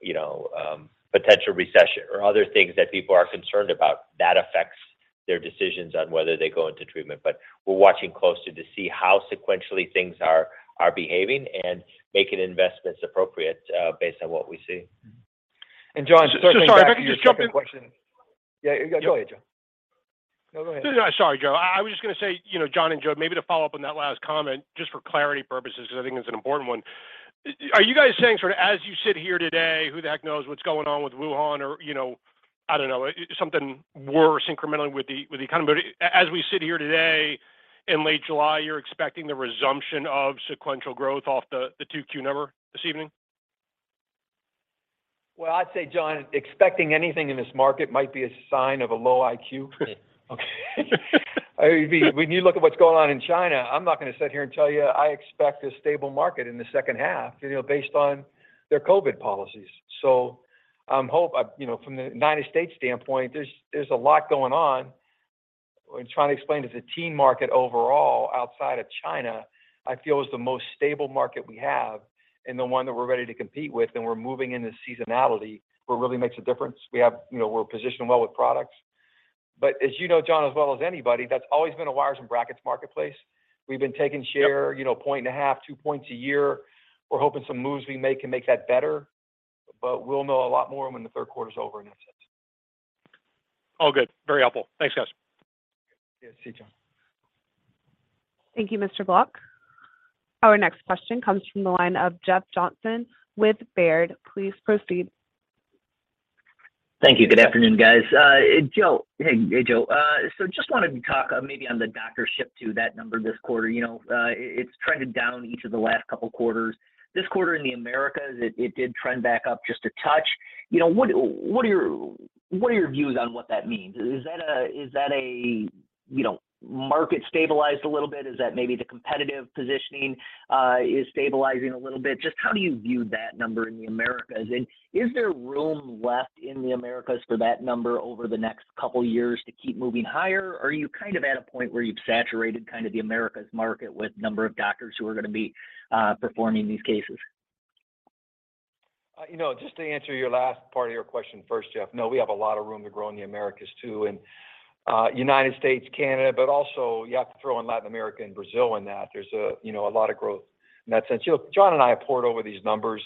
S4: you know, potential recession or other things that people are concerned about. That affects their decisions on whether they go into treatment. We're watching closely to see how sequentially things are behaving and making investments appropriate based on what we see.
S3: Jon, circling back to your second question.
S7: Sorry, if I could just jump in.
S3: Yeah, go ahead, Jon. No, go ahead.
S7: Sorry, Joe. I was just gonna say, you know, John and Joe, maybe to follow up on that last comment, just for clarity purposes, because I think it's an important one. Are you guys saying sort of as you sit here today, who the heck knows what's going on with Wuhan or, you know, I don't know, something worse incrementally with the economy. As we sit here today in late July, you're expecting the resumption of sequential growth off the 2Q number this evening?
S3: Well, I'd say, Jon, expecting anything in this market might be a sign of a low IQ.
S7: Okay.
S3: I mean, when you look at what's going on in China, I'm not gonna sit here and tell you I expect a stable market in the second half, you know, based on their COVID policies. I hope. You know, from the United States standpoint, there's a lot going on. We're trying to explain it as a teen market overall outside of China, I feel is the most stable market we have and the one that we're ready to compete with, and we're moving into seasonality, where it really makes a difference. You know, we're positioned well with products. As you know, Jon, as well as anybody, that's always been a wires and brackets marketplace. We've been taking share.
S7: Yep
S3: You know, 1.5, 2 points a year. We're hoping some moves we make can make that better. We'll know a lot more when the third quarter is over in that sense.
S7: All good. Very helpful. Thanks, guys.
S3: Yeah, see you, Jon.
S1: Thank you, Mr. Block. Our next question comes from the line of Jeff Johnson with Baird. Please proceed.
S8: Thank you. Good afternoon, guys. Joe. Hey, Joe. So just wanted to talk maybe on the doctor ship-to that number this quarter. You know, it's trended down each of the last couple quarters. This quarter in the Americas, it did trend back up just a touch. You know, what are your views on what that means? Is that a, you know, market stabilized a little bit? Is that maybe the competitive positioning is stabilizing a little bit? Just how do you view that number in the Americas? Is there room left in the Americas for that number over the next couple years to keep moving higher? Or are you kind of at a point where you've saturated kind of the Americas market with number of doctors who are gonna be performing these cases?
S3: You know, just to answer your last part of your question first, Jeff. No, we have a lot of room to grow in the Americas, too, and United States, Canada, but also you have to throw in Latin America and Brazil in that. There's a, you know, a lot of growth in that sense. You know, John and I have pored over these numbers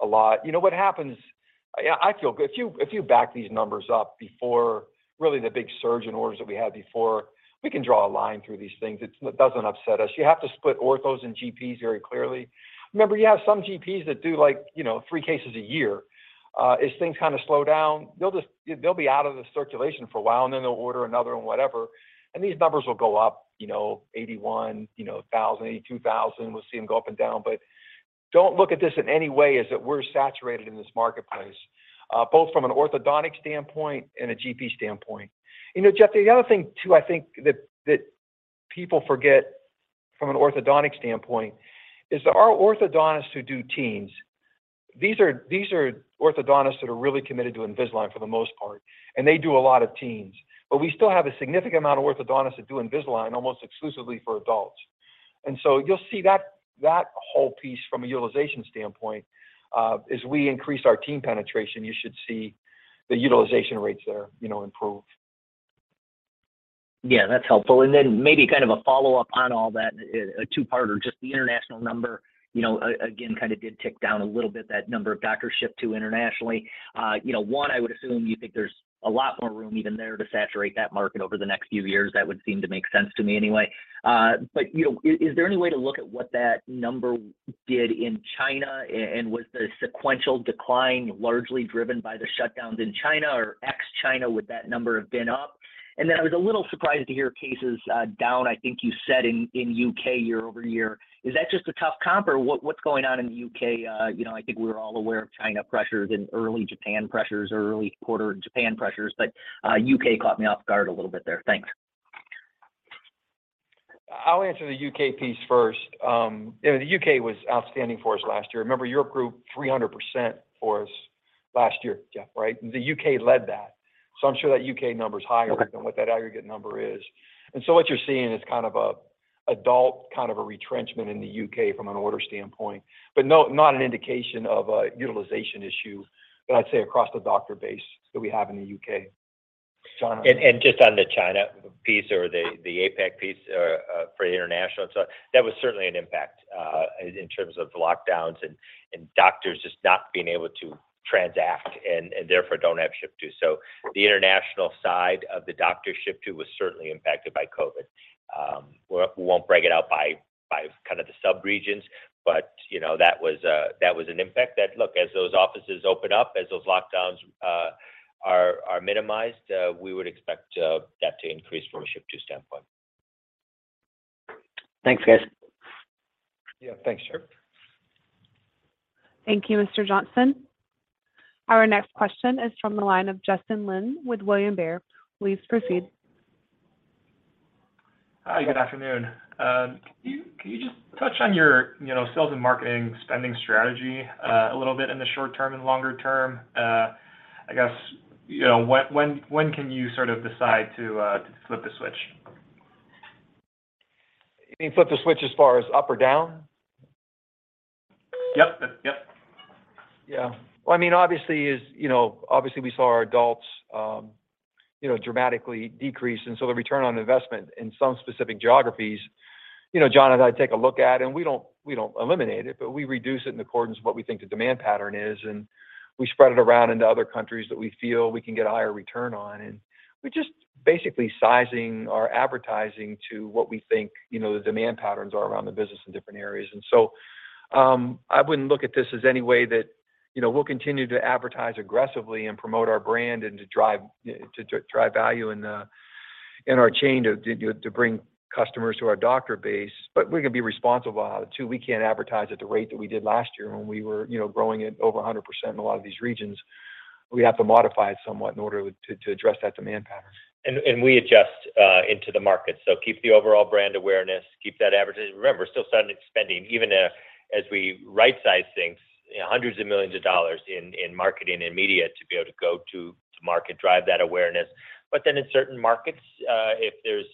S3: a lot. You know what happens. I feel good. If you back these numbers up before really the big surge in orders that we had before, we can draw a line through these things. It doesn't upset us. You have to split orthos and GPs very clearly. Remember, you have some GPs that do like, you know, three cases a year. As things kind of slow down, they'll be out of the circulation for a while, and then they'll order another one, whatever. These numbers will go up, you know, 81,000, 82,000. We'll see them go up and down. Don't look at this in any way as that we're saturated in this marketplace, both from an orthodontic standpoint and a GP standpoint. You know, Jeff, the other thing too, I think that people forget from an orthodontic standpoint is that our orthodontists who do teens, these are orthodontists that are really committed to Invisalign for the most part, and they do a lot of teens. We still have a significant amount of orthodontists that do Invisalign almost exclusively for adults. You'll see that whole piece from a utilization standpoint, as we increase our teen penetration, you should see the utilization rates there, you know, improve.
S8: Yeah, that's helpful. Then maybe kind of a follow-up on all that, a two-parter, just the international number. You know, again, kind of did tick down a little bit that number of doctor shipments internationally. You know, one, I would assume you think there's a lot more room even there to saturate that market over the next few years. That would seem to make sense to me anyway. You know, is there any way to look at what that number did in China and was the sequential decline largely driven by the shutdowns in China or ex-China, would that number have been up? Then I was a little surprised to hear cases down, I think you said in the U.K. year-over-year. Is that just a tough comp or what's going on in the U.K.? You know, I think we're all aware of China pressures in early Japan pressures or early quarter Japan pressures, but U.K. caught me off guard a little bit there. Thanks.
S3: I'll answer the U.K. piece first. The U.K. was outstanding for us last year. Remember your group, 300% for us last year, Jeff, right? The U.K. led that. I'm sure that U.K. Number is higher than what that aggregate number is. What you're seeing is kind of an adult retrenchment in the U.K. from an order standpoint, but no, not an indication of a utilization issue, but I'd say across the doctor base that we have in the U.K. John.
S4: Just on the China piece or the APAC piece for international and so on, that was certainly an impact in terms of lockdowns and doctors just not being able to transact and therefore don't have ship to. The international side of the doctor ship to was certainly impacted by COVID. We won't break it out by kind of the subregions, but you know, that was an impact. Look, as those offices open up, as those lockdowns are minimized, we would expect that to increase from a ship to standpoint.
S8: Thanks, guys.
S3: Yeah. Thanks, Jeff.
S1: Thank you, Mr. Johnson. Our next question is from the line of Justin Lin with William Blair. Please proceed.
S9: Hi, good afternoon. Can you just touch on your, you know, sales and marketing spending strategy a little bit in the short term and longer term? I guess, you know, when can you sort of decide to flip the switch?
S3: You mean flip the switch as far as up or down?
S9: Yep. Yep.
S3: Well, I mean, obviously, you know, we saw our adults dramatically decrease. The return on investment in some specific geographies, you know, John and I take a look at, and we don't eliminate it, but we reduce it in accordance with what we think the demand pattern is, and we spread it around into other countries that we feel we can get a higher return on. We're just basically sizing our advertising to what we think, you know, the demand patterns are around the business in different areas. I wouldn't look at this as any way that, you know, we'll continue to advertise aggressively and promote our brand and to drive value in our chain to bring customers to our doctor base. We're gonna be responsible. We can't advertise at the rate that we did last year when we were, you know, growing at over 100% in a lot of these regions. We have to modify it somewhat in order to address that demand pattern.
S4: We adjust into the market. Keep the overall brand awareness, keep that advertising. Remember, we're still spending even as we right size things, you know, hundreds of millions of dollars in marketing and media to be able to go to market, drive that awareness. But then in certain markets, if there's,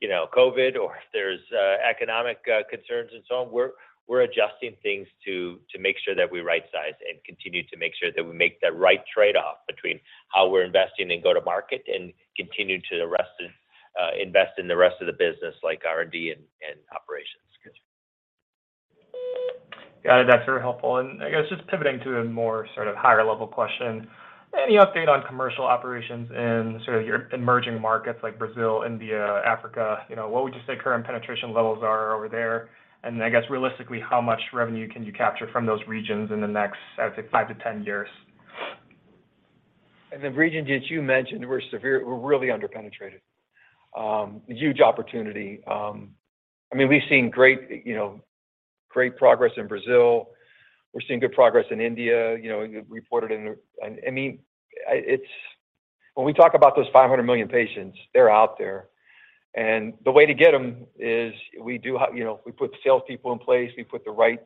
S4: you know, COVID or if there's economic concerns and so on, we're adjusting things to make sure that we right size and continue to make sure that we make that right trade-off between how we're investing and go to market and continue to invest in the rest of the business like R&D and operations.
S9: Got it. That's very helpful. I guess just pivoting to a more sort of higher level question, any update on commercial operations in sort of your emerging markets like Brazil, India, Africa? You know, what would you say current penetration levels are over there? I guess realistically, how much revenue can you capture from those regions in the next, I would say five to 10 years?
S3: In the regions that you mentioned, we're really under-penetrated. Huge opportunity. I mean, we've seen great, you know, great progress in Brazil. We're seeing good progress in India, you know. I mean, it's when we talk about those 500 million patients, they're out there. The way to get them is we do have, you know, we put sales people in place, we put the right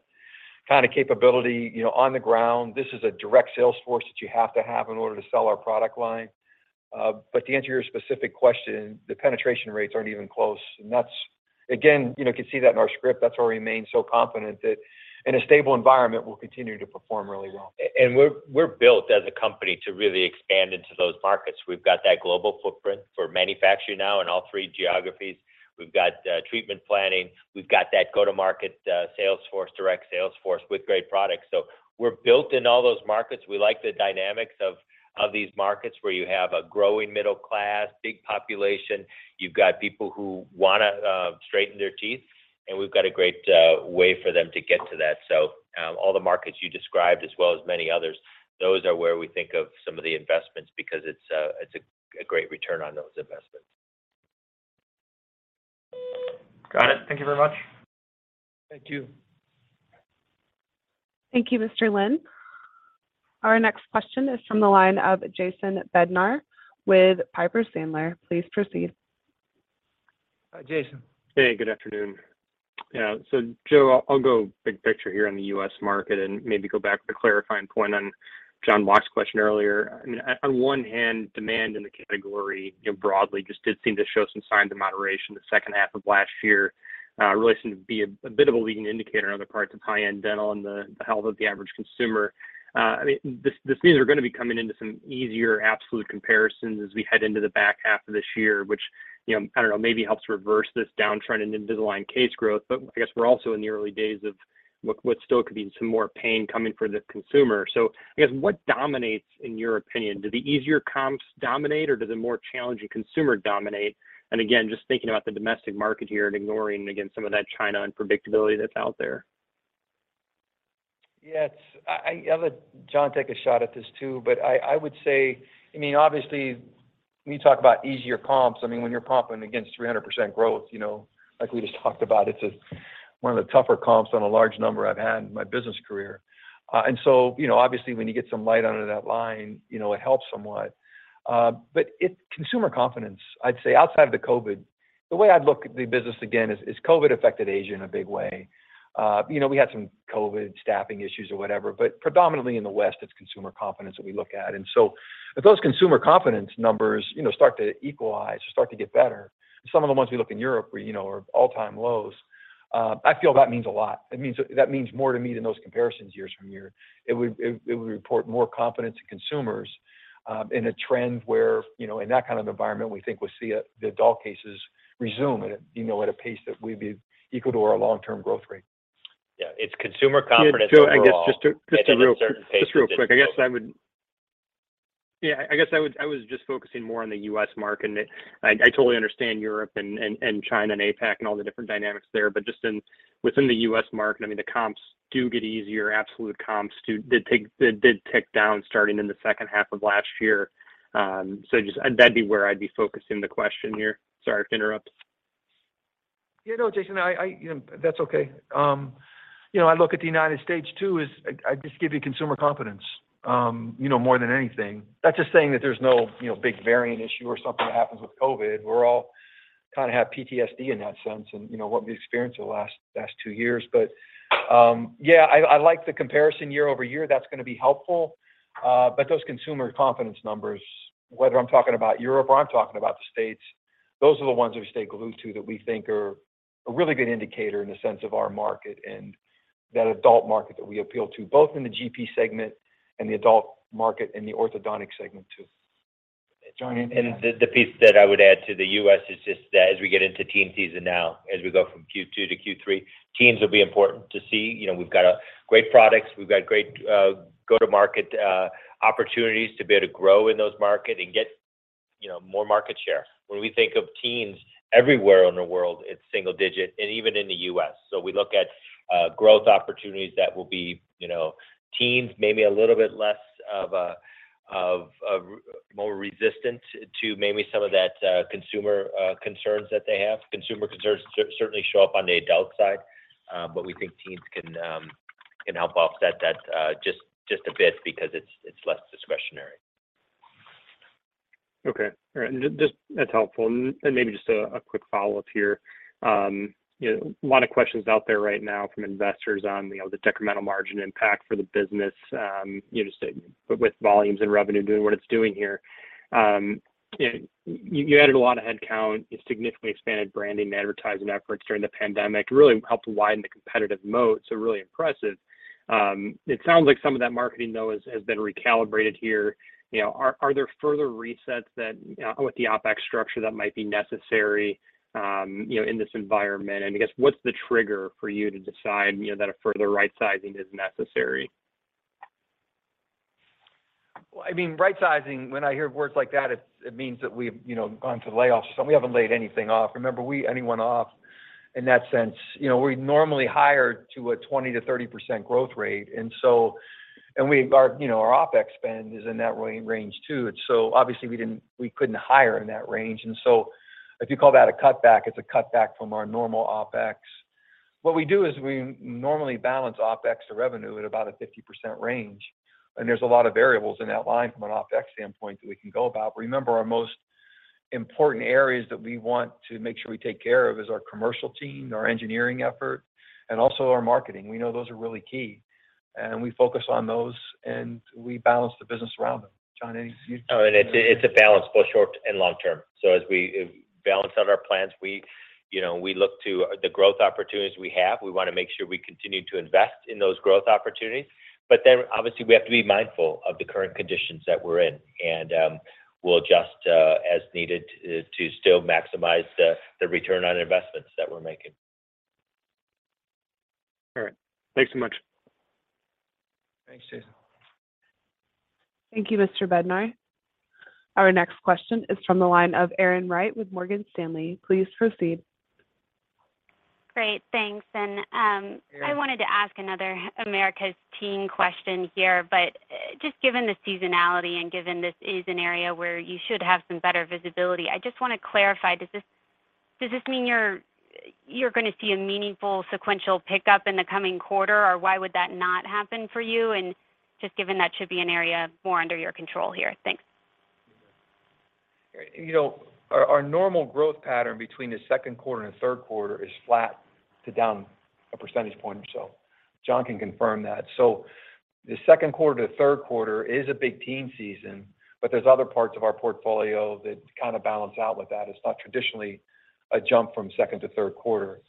S3: kind of capability, you know, on the ground. This is a direct sales force that you have to have in order to sell our product line. To answer your specific question, the penetration rates aren't even close. That's again, you know, you can see that in our script. That's where we remain so confident that in a stable environment, we'll continue to perform really well.
S4: We're built as a company to really expand into those markets. We've got that global footprint for manufacturing now in all three geographies. We've got treatment planning. We've got that go-to-market sales force, direct sales force with great products. We're built in all those markets. We like the dynamics of these markets where you have a growing middle class, big population. You've got people who wanna straighten their teeth, and we've got a great way for them to get to that. All the markets you described as well as many others, those are where we think of some of the investments because it's a great return on those investments.
S9: Got it. Thank you very much.
S4: Thank you.
S1: Thank you, Mr. Lin. Our next question is from the line of Jason Bednar with Piper Sandler. Please proceed.
S4: Hi, Jason.
S10: Hey, good afternoon. Yeah. Joe, I'll go big picture here in the US market and maybe go back to the clarifying point on Jon Block's question earlier. I mean, on one hand, demand in the category, you know, broadly just did seem to show some signs of moderation the second half of last year, really seemed to be a bit of a leading indicator on the parts of high-end dental and the health of the average consumer. I mean, this means we're gonna be coming into some easier absolute comparisons as we head into the back half of this year, which, you know, I don't know, maybe helps reverse this downturn in Invisalign case growth. But I guess we're also in the early days of what still could be some more pain coming for the consumer. I guess what dominates in your opinion? Do the easier comps dominate or do the more challenging consumer dominate? Just thinking about the domestic market here and ignoring, again, some of that China unpredictability that's out there.
S3: Yes. I have John take a shot at this too, but I would say, I mean, obviously, when you talk about easier comps, I mean, when you're comping against 300% growth, you know, like we just talked about, it's one of the tougher comps on a large number I've had in my business career. You know, obviously when you get some light under that line, you know, it helps somewhat. Consumer confidence, I'd say outside of the COVID, the way I'd look at the business again is COVID affected Asia in a big way. You know, we had some COVID staffing issues or whatever, but predominantly in the West, it's consumer confidence that we look at. If those consumer confidence numbers, you know, start to equalize or start to get better, some of the ones we look at in Europe where, you know, are all-time lows, I feel that means a lot. That means more to me than those year-over-year comparisons. It would restore more confidence to consumers in a trend where, you know, in that kind of environment, we think we'll see the adult cases resume at a pace that would equal our long-term growth rate.
S4: Yeah, it's consumer confidence overall.
S10: Yeah. Joe, I guess just real quick, I guess I would... Yeah. I was just focusing more on the U.S. market, and I totally understand Europe and China and APAC and all the different dynamics there. Within the U.S. market, I mean, the comps do get easier. Absolute comps did tick down starting in the second half of last year. That'd be where I'd be focusing the question here. Sorry to interrupt.
S3: Yeah. No, Jason. You know, that's okay. You know, I look at the United States too as I just give you consumer confidence, you know, more than anything. That's just saying that there's no, you know, big variant issue or something that happens with COVID. We're all kind of have PTSD in that sense and, you know, what we experienced the last two years. Yeah, I like the comparison year-over-year, that's gonna be helpful. Those consumer confidence numbers, whether I'm talking about Europe or I'm talking about the States, those are the ones we stay glued to that we think are a really good indicator in the sense of our market and that adult market that we appeal to, both in the GP segment and the adult market and the orthodontic segment too. John, anything to add?
S4: The piece that I would add to the U.S. is just that as we get into teen season now, as we go from Q2 to Q3, teens will be important to see. You know, we've got a great products, we've got great go-to-market opportunities to be able to grow in those market and get, you know, more market share. When we think of teens everywhere in the world, it's single digit and even in the U.S. We look at growth opportunities that will be, you know, teens maybe a little bit less of a more resistant to maybe some of that consumer concerns that they have. Consumer concerns certainly show up on the adult side. We think teens can help offset that just a bit because it's less discretionary.
S10: Okay. All right. Just that's helpful. Maybe just a quick follow-up here. You know, a lot of questions out there right now from investors on, you know, the decremental margin impact for the business, you know, just with volumes and revenue doing what it's doing here. You know, you added a lot of headcount. You significantly expanded branding and advertising efforts during the pandemic. Really helped widen the competitive moat, so really impressive. It sounds like some of that marketing though has been recalibrated here. You know, are there further resets that with the OpEx structure that might be necessary, you know, in this environment? I guess what's the trigger for you to decide, you know, that a further right-sizing is necessary?
S3: Well, I mean, right-sizing, when I hear words like that, it means that we've, you know, gone to layoffs or something. We haven't laid anyone off in that sense. You know, we normally hire to a 20%-30% growth rate. Our, you know, our OpEx spend is in that range too. Obviously we couldn't hire in that range. If you call that a cutback, it's a cutback from our normal OpEx. What we do is we normally balance OpEx to revenue at about a 50% range, and there's a lot of variables in that line from an OpEx standpoint that we can go about. Remember, our most important areas that we want to make sure we take care of is our commercial team, our engineering effort, and also our marketing. We know those are really key, and we focus on those, and we balance the business around them. John, any you-
S4: Oh, it's a balance for short and long term. As we balance out our plans, we, you know, we look to the growth opportunities we have. We wanna make sure we continue to invest in those growth opportunities. Obviously we have to be mindful of the current conditions that we're in, and we'll adjust as needed to still maximize the return on investments that we're making.
S10: All right. Thanks so much.
S3: Thanks, Jason.
S1: Thank you, Mr. Bednar. Our next question is from the line of Erin Wright with Morgan Stanley. Please proceed.
S11: Great. Thanks. I wanted to ask another America's teen question here, but just given the seasonality and given this is an area where you should have some better visibility, I just wanna clarify, does this mean you're gonna see a meaningful sequential pickup in the coming quarter, or why would that not happen for you? Just given that should be an area more under your control here. Thanks.
S3: You know, our normal growth pattern between the second quarter and third quarter is flat to down a percentage point or so. John can confirm that. The second quarter to third quarter is a big teen season, but there's other parts of our portfolio that kind of balance out with that. It's not traditionally a jump from second to third quarter.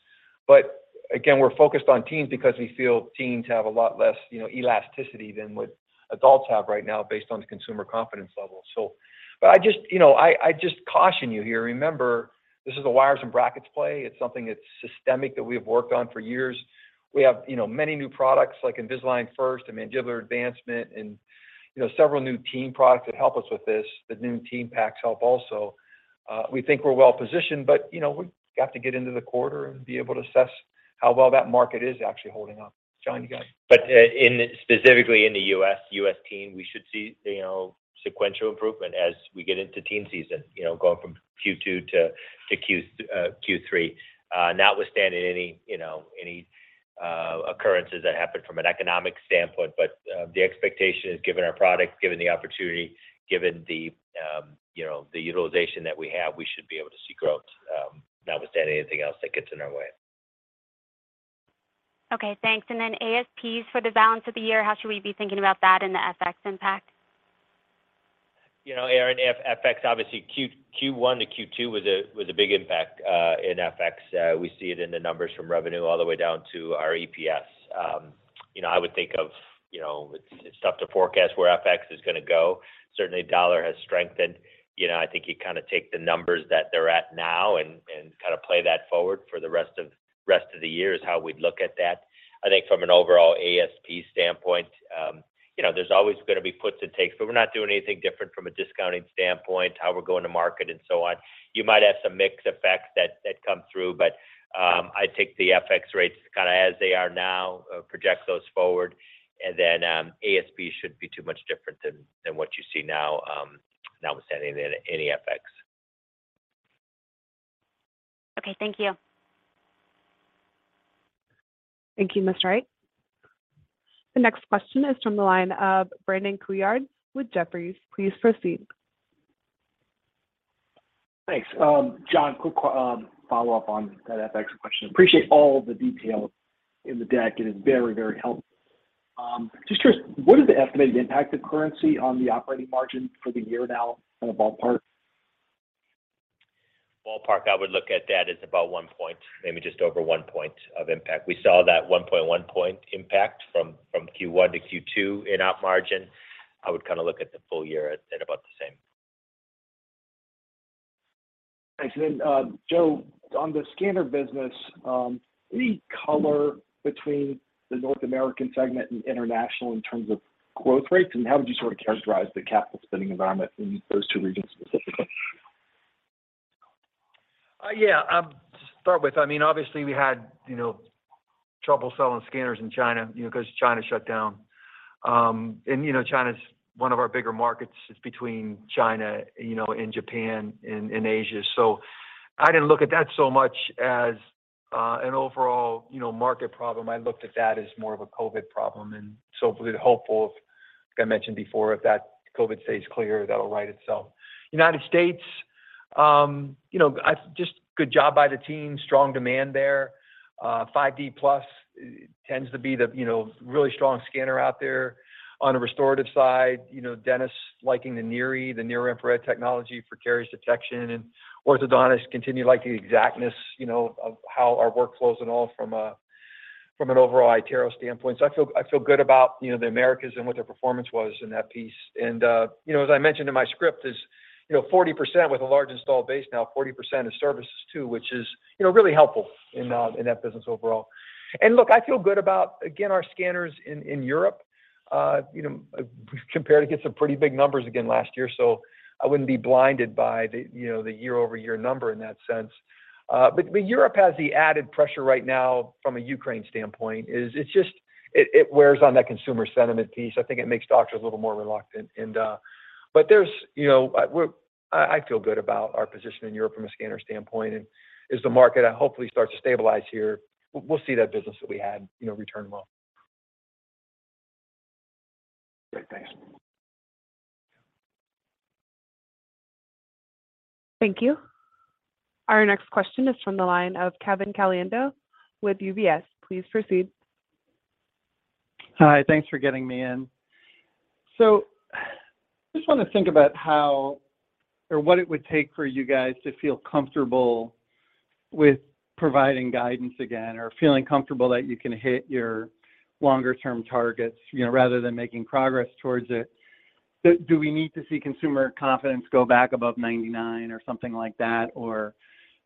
S3: We're focused on teens because we feel teens have a lot less, you know, elasticity than what adults have right now based on the consumer confidence level. I just caution you here. You know, remember, this is a wires and brackets play. It's something that's systemic that we have worked on for years. We have, you know, many new products like Invisalign First and Mandibular Advancement and, you know, several new teen products that help us with this. The new teen packs help also. We think we're well-positioned, but, you know, we have to get into the quarter and be able to assess how well that market is actually holding up. John, you got it.
S4: In, specifically, in the U.S., U.S. teen, we should see, you know, sequential improvement as we get into teen season, you know, going from Q2 to Q3, notwithstanding any occurrences that happen from an economic standpoint. The expectation is given our products, given the opportunity, given the, you know, the utilization that we have, we should be able to see growth, notwithstanding anything else that gets in our way.
S11: Okay, thanks. ASPs for the balance of the year, how should we be thinking about that and the FX impact?
S4: You know, Erin, FX, obviously Q1 to Q2 was a big impact in FX. We see it in the numbers from revenue all the way down to our EPS. You know, I would think of, you know, it's tough to forecast where FX is gonna go. Certainly dollar has strengthened. You know, I think you kind of take the numbers that they're at now and kind of play that forward for the rest of the year is how we'd look at that. I think from an overall ASP standpoint, you know, there's always gonna be puts and takes, but we're not doing anything different from a discounting standpoint, how we're going to market and so on. You might have some mix effects that come through, but I take the FX rates kinda as they are now, project those forward, and then ASP shouldn't be too much different than what you see now, notwithstanding any FX.
S11: Okay, thank you.
S1: Thank you, Ms. Wright. The next question is from the line of Brandon Couillard with Jefferies. Please proceed.
S12: Thanks. John, quick follow-up on that FX question. Appreciate all the detail in the deck. It is very, very helpful. Just curious, what is the estimated impact of currency on the operating margin for the year now in a ballpark?
S4: Ballpark, I would look at that as about 1 point, maybe just over 1 point of impact. We saw that 1 point impact from Q1 to Q2 in Op margin. I would kind of look at the full year at about the same.
S12: Thanks. Joe, on the scanner business, any color between the North American segment and international in terms of growth rates, and how would you sort of characterize the capital spending environment in those two regions specifically?
S3: To start with, I mean, obviously we had trouble selling scanners in China, you know, 'cause China shut down. China's one of our bigger markets. It's between China and Japan in Asia. I didn't look at that so much as an overall market problem. I looked at that as more of a COVID problem, and so hopeful, like I mentioned before, if that COVID stays clear, that'll right itself. United States, you know, just good job by the team, strong demand there. 5D Plus tends to be the really strong scanner out there. On a restorative side, dentists liking the NIRI, the near-infrared technology for caries detection. Orthodontists continue to like the exactness, you know, of how our workflows and all from an overall iTero standpoint. I feel good about, you know, the Americas and what their performance was in that piece. You know, as I mentioned in my script, you know, 40% with a large installed base now, 40% is services too, which is, you know, really helpful in that business overall. Look, I feel good about, again, our scanners in Europe. You know, we've compared against some pretty big numbers again last year, so I wouldn't be blinded by the, you know, the year-over-year number in that sense. But Europe has the added pressure right now from a Ukraine standpoint. It's just it wears on that consumer sentiment piece. I think it makes doctors a little more reluctant. There's, you know, I feel good about our position in Europe from a scanner standpoint. As the market hopefully starts to stabilize here, we'll see that business that we had, you know, return well.
S12: Great. Thanks.
S1: Thank you. Our next question is from the line of Kevin Caliendo with UBS. Please proceed.
S13: Hi. Thanks for getting me in. Just wanna think about how or what it would take for you guys to feel comfortable with providing guidance again, or feeling comfortable that you can hit your longer term targets, you know, rather than making progress towards it. Do we need to see consumer confidence go back above 99 or something like that?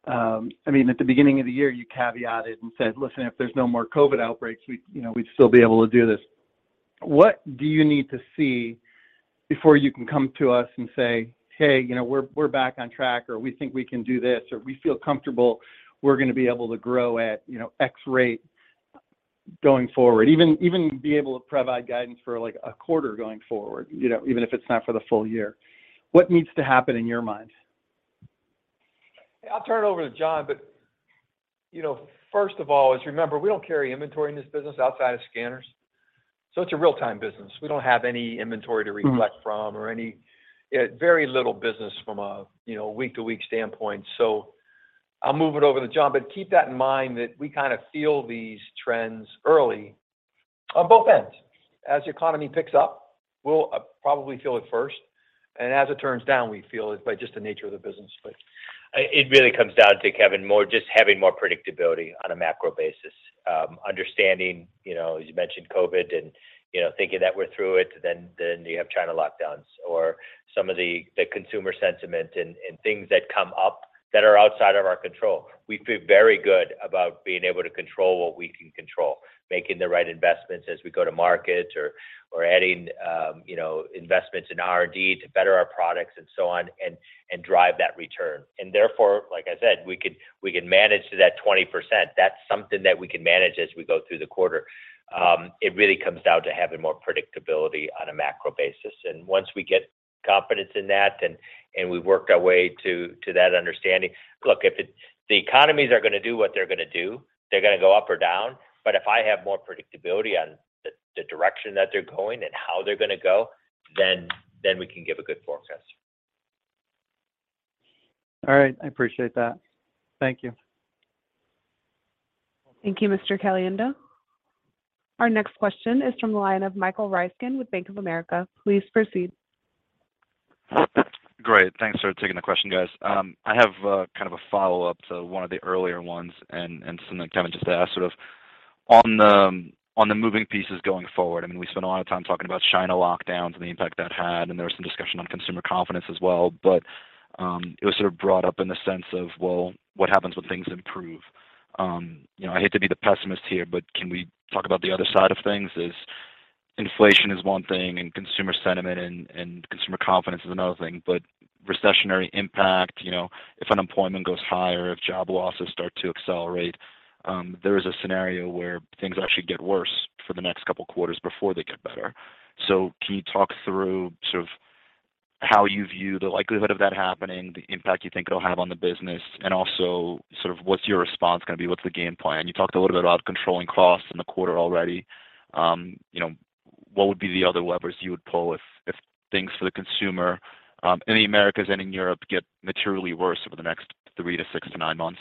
S13: I mean, at the beginning of the year, you caveated and said, "Listen, if there's no more COVID outbreaks, we'd, you know, we'd still be able to do this." What do you need to see before you can come to us and say, "Hey, you know, we're back on track," or, "We think we can do this," or, "We feel comfortable we're gonna be able to grow at, you know, X rate going forward." Even be able to provide guidance for, like, a quarter going forward, you know, even if it's not for the full year. What needs to happen in your mind?
S3: I'll turn it over to John, but, you know, first of all, remember, we don't carry inventory in this business outside of scanners. It's a real-time business. We don't have any inventory to reflect from.
S13: Mm-hmm
S3: Any very little business from a, you know, week-to-week standpoint. I'll move it over to John, but keep that in mind that we kind of feel these trends early on both ends. As the economy picks up, we'll probably feel it first, and as it turns down, we feel it by just the nature of the business.
S4: It really comes down to, Kevin, more just having more predictability on a macro basis. Understanding, you know, as you mentioned COVID and, you know, thinking that we're through it, then you have China lockdowns or some of the consumer sentiment and things that come up that are outside of our control. We feel very good about being able to control what we can control, making the right investments as we go to market or adding, you know, investments in R&D to better our products and so on and drive that return. Therefore, like I said, we could, we can manage to that 20%. That's something that we can manage as we go through the quarter. It really comes down to having more predictability on a macro basis. Once we get confidence in that and we work our way to that understanding. Look, the economies are gonna do what they're gonna do, they're gonna go up or down. If I have more predictability on the direction that they're going and how they're gonna go, then we can give a good forecast.
S13: All right. I appreciate that. Thank you.
S1: Thank you, Mr. Caliendo. Our next question is from the line of Michael Ryskin with Bank of America. Please proceed.
S14: Great. Thanks for taking the question, guys. I have kind of a follow-up to one of the earlier ones and something that Kevin just asked of. On the moving pieces going forward, I mean, we spent a lot of time talking about China lockdowns and the impact that had, and there was some discussion on consumer confidence as well. It was sort of brought up in the sense of, well, what happens when things improve? You know, I hate to be the pessimist here, but can we talk about the other side of things? Is inflation one thing and consumer sentiment and consumer confidence is another thing. Recessionary impact, you know, if unemployment goes higher, if job losses start to accelerate, there is a scenario where things actually get worse for the next couple quarters before they get better. Can you talk through sort of how you view the likelihood of that happening, the impact you think it'll have on the business, and also sort of what's your response gonna be? What's the game plan? You talked a little bit about controlling costs in the quarter already. You know, what would be the other levers you would pull if things for the consumer, in the Americas and in Europe get materially worse over the next three to six to nine months?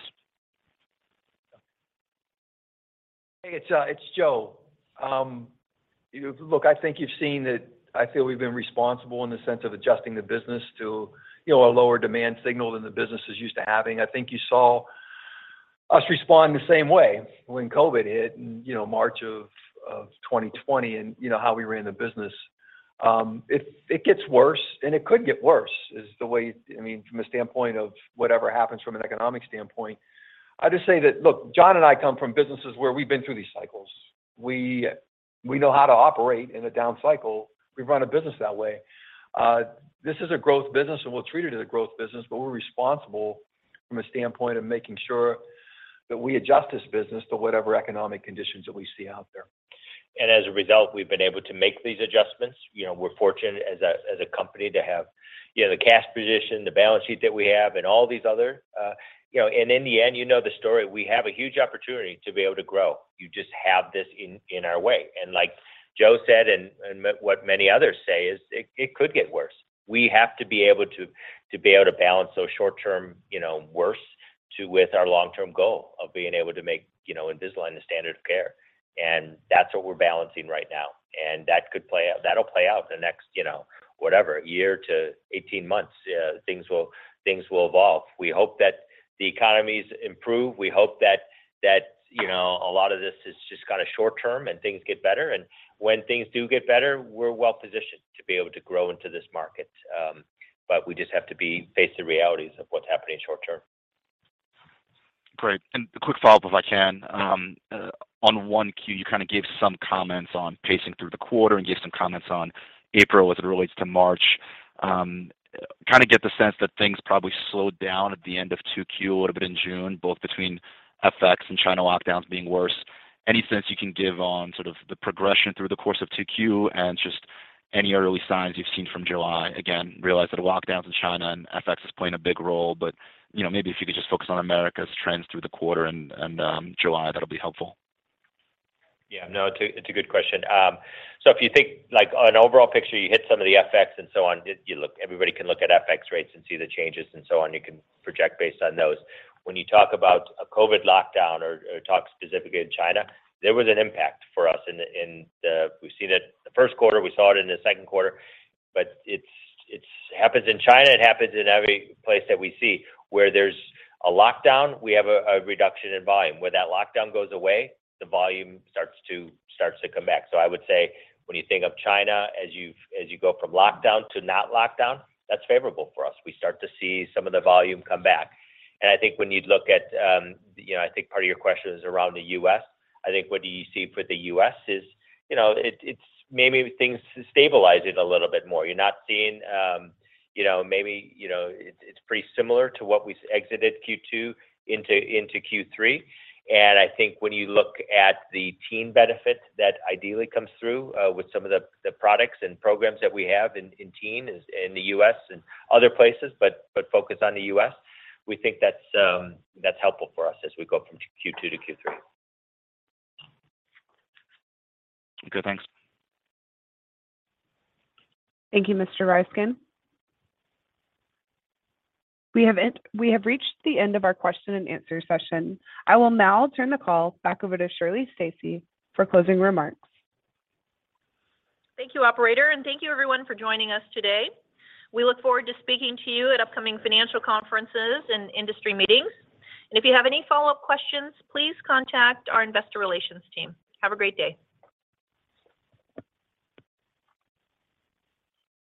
S3: Hey, it's Joe. Look, I think you've seen that I feel we've been responsible in the sense of adjusting the business to, you know, a lower demand signal than the business is used to having. I think you saw us respond the same way when COVID hit in, you know, March of 2020 and, you know, how we ran the business. If it gets worse, and it could get worse, is the way I mean, from a standpoint of whatever happens from an economic standpoint. I just say that, look, John and I come from businesses where we've been through these cycles. We know how to operate in a down cycle. We run a business that way. This is a growth business, and we'll treat it as a growth business, but we're responsible from a standpoint of making sure that we adjust this business to whatever economic conditions that we see out there.
S4: As a result, we've been able to make these adjustments. You know, we're fortunate as a company to have, you know, the cash position, the balance sheet that we have, and all these other. In the end, you know the story, we have a huge opportunity to be able to grow. You just have this in our way. Like Joe said, and what many others say is it could get worse. We have to be able to balance those short-term versus our long-term goal of being able to make, you know, Invisalign the standard of care. That's what we're balancing right now. That could play out. That'll play out the next, you know, whatever, year to 18 months. Things will evolve. We hope that the economies improve. We hope that that you know a lot of this is just kinda short term and things get better. When things do get better, we're well-positioned to be able to grow into this market. We just have to face the realities of what's happening short term.
S14: Great. A quick follow-up, if I can.
S4: Yeah.
S14: On 1Q, you kinda gave some comments on pacing through the quarter and gave some comments on April as it relates to March. Kinda get the sense that things probably slowed down at the end of 2Q a little bit in June, both between FX and China lockdowns being worse. Any sense you can give on sort of the progression through the course of 2Q and just any early signs you've seen from July? Realize that lockdowns in China and FX is playing a big role, but, you know, maybe if you could just focus on Americas trends through the quarter and July, that'll be helpful.
S4: Yeah, no, it's a good question. If you think like on an overall picture, you hit some of the FX and so on. You look, everybody can look at FX rates and see the changes and so on, you can project based on those. When you talk about a COVID lockdown or talk specifically in China, there was an impact for us in the first quarter, we saw it in the second quarter, but it happens in China, it happens in every place that we see. Where there's a lockdown, we have a reduction in volume. Where that lockdown goes away, the volume starts to come back. I would say when you think of China as you go from lockdown to not lockdown, that's favorable for us. We start to see some of the volume come back. I think when you look at, you know, I think part of your question is around the U.S. I think what you see for the U.S. is, you know, it's maybe things stabilizing a little bit more. You're not seeing, you know, maybe, you know, it's pretty similar to what we exited Q2 into Q3. I think when you look at the teen benefit that ideally comes through with some of the products and programs that we have in Invisalign in the U.S. and other places, but focus on the U.S., we think that's helpful for us as we go from Q2 to Q3.
S14: Okay, thanks.
S1: Thank you, Mr. Ryskin. We have reached the end of our question and answer session. I will now turn the call back over to Shirley Stacy for closing remarks.
S2: Thank you, operator, and thank you everyone for joining us today. We look forward to speaking to you at upcoming financial conferences and industry meetings. If you have any follow-up questions, please contact our investor relations team. Have a great day.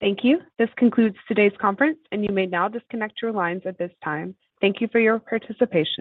S1: Thank you. This concludes today's conference, and you may now disconnect your lines at this time. Thank you for your participation.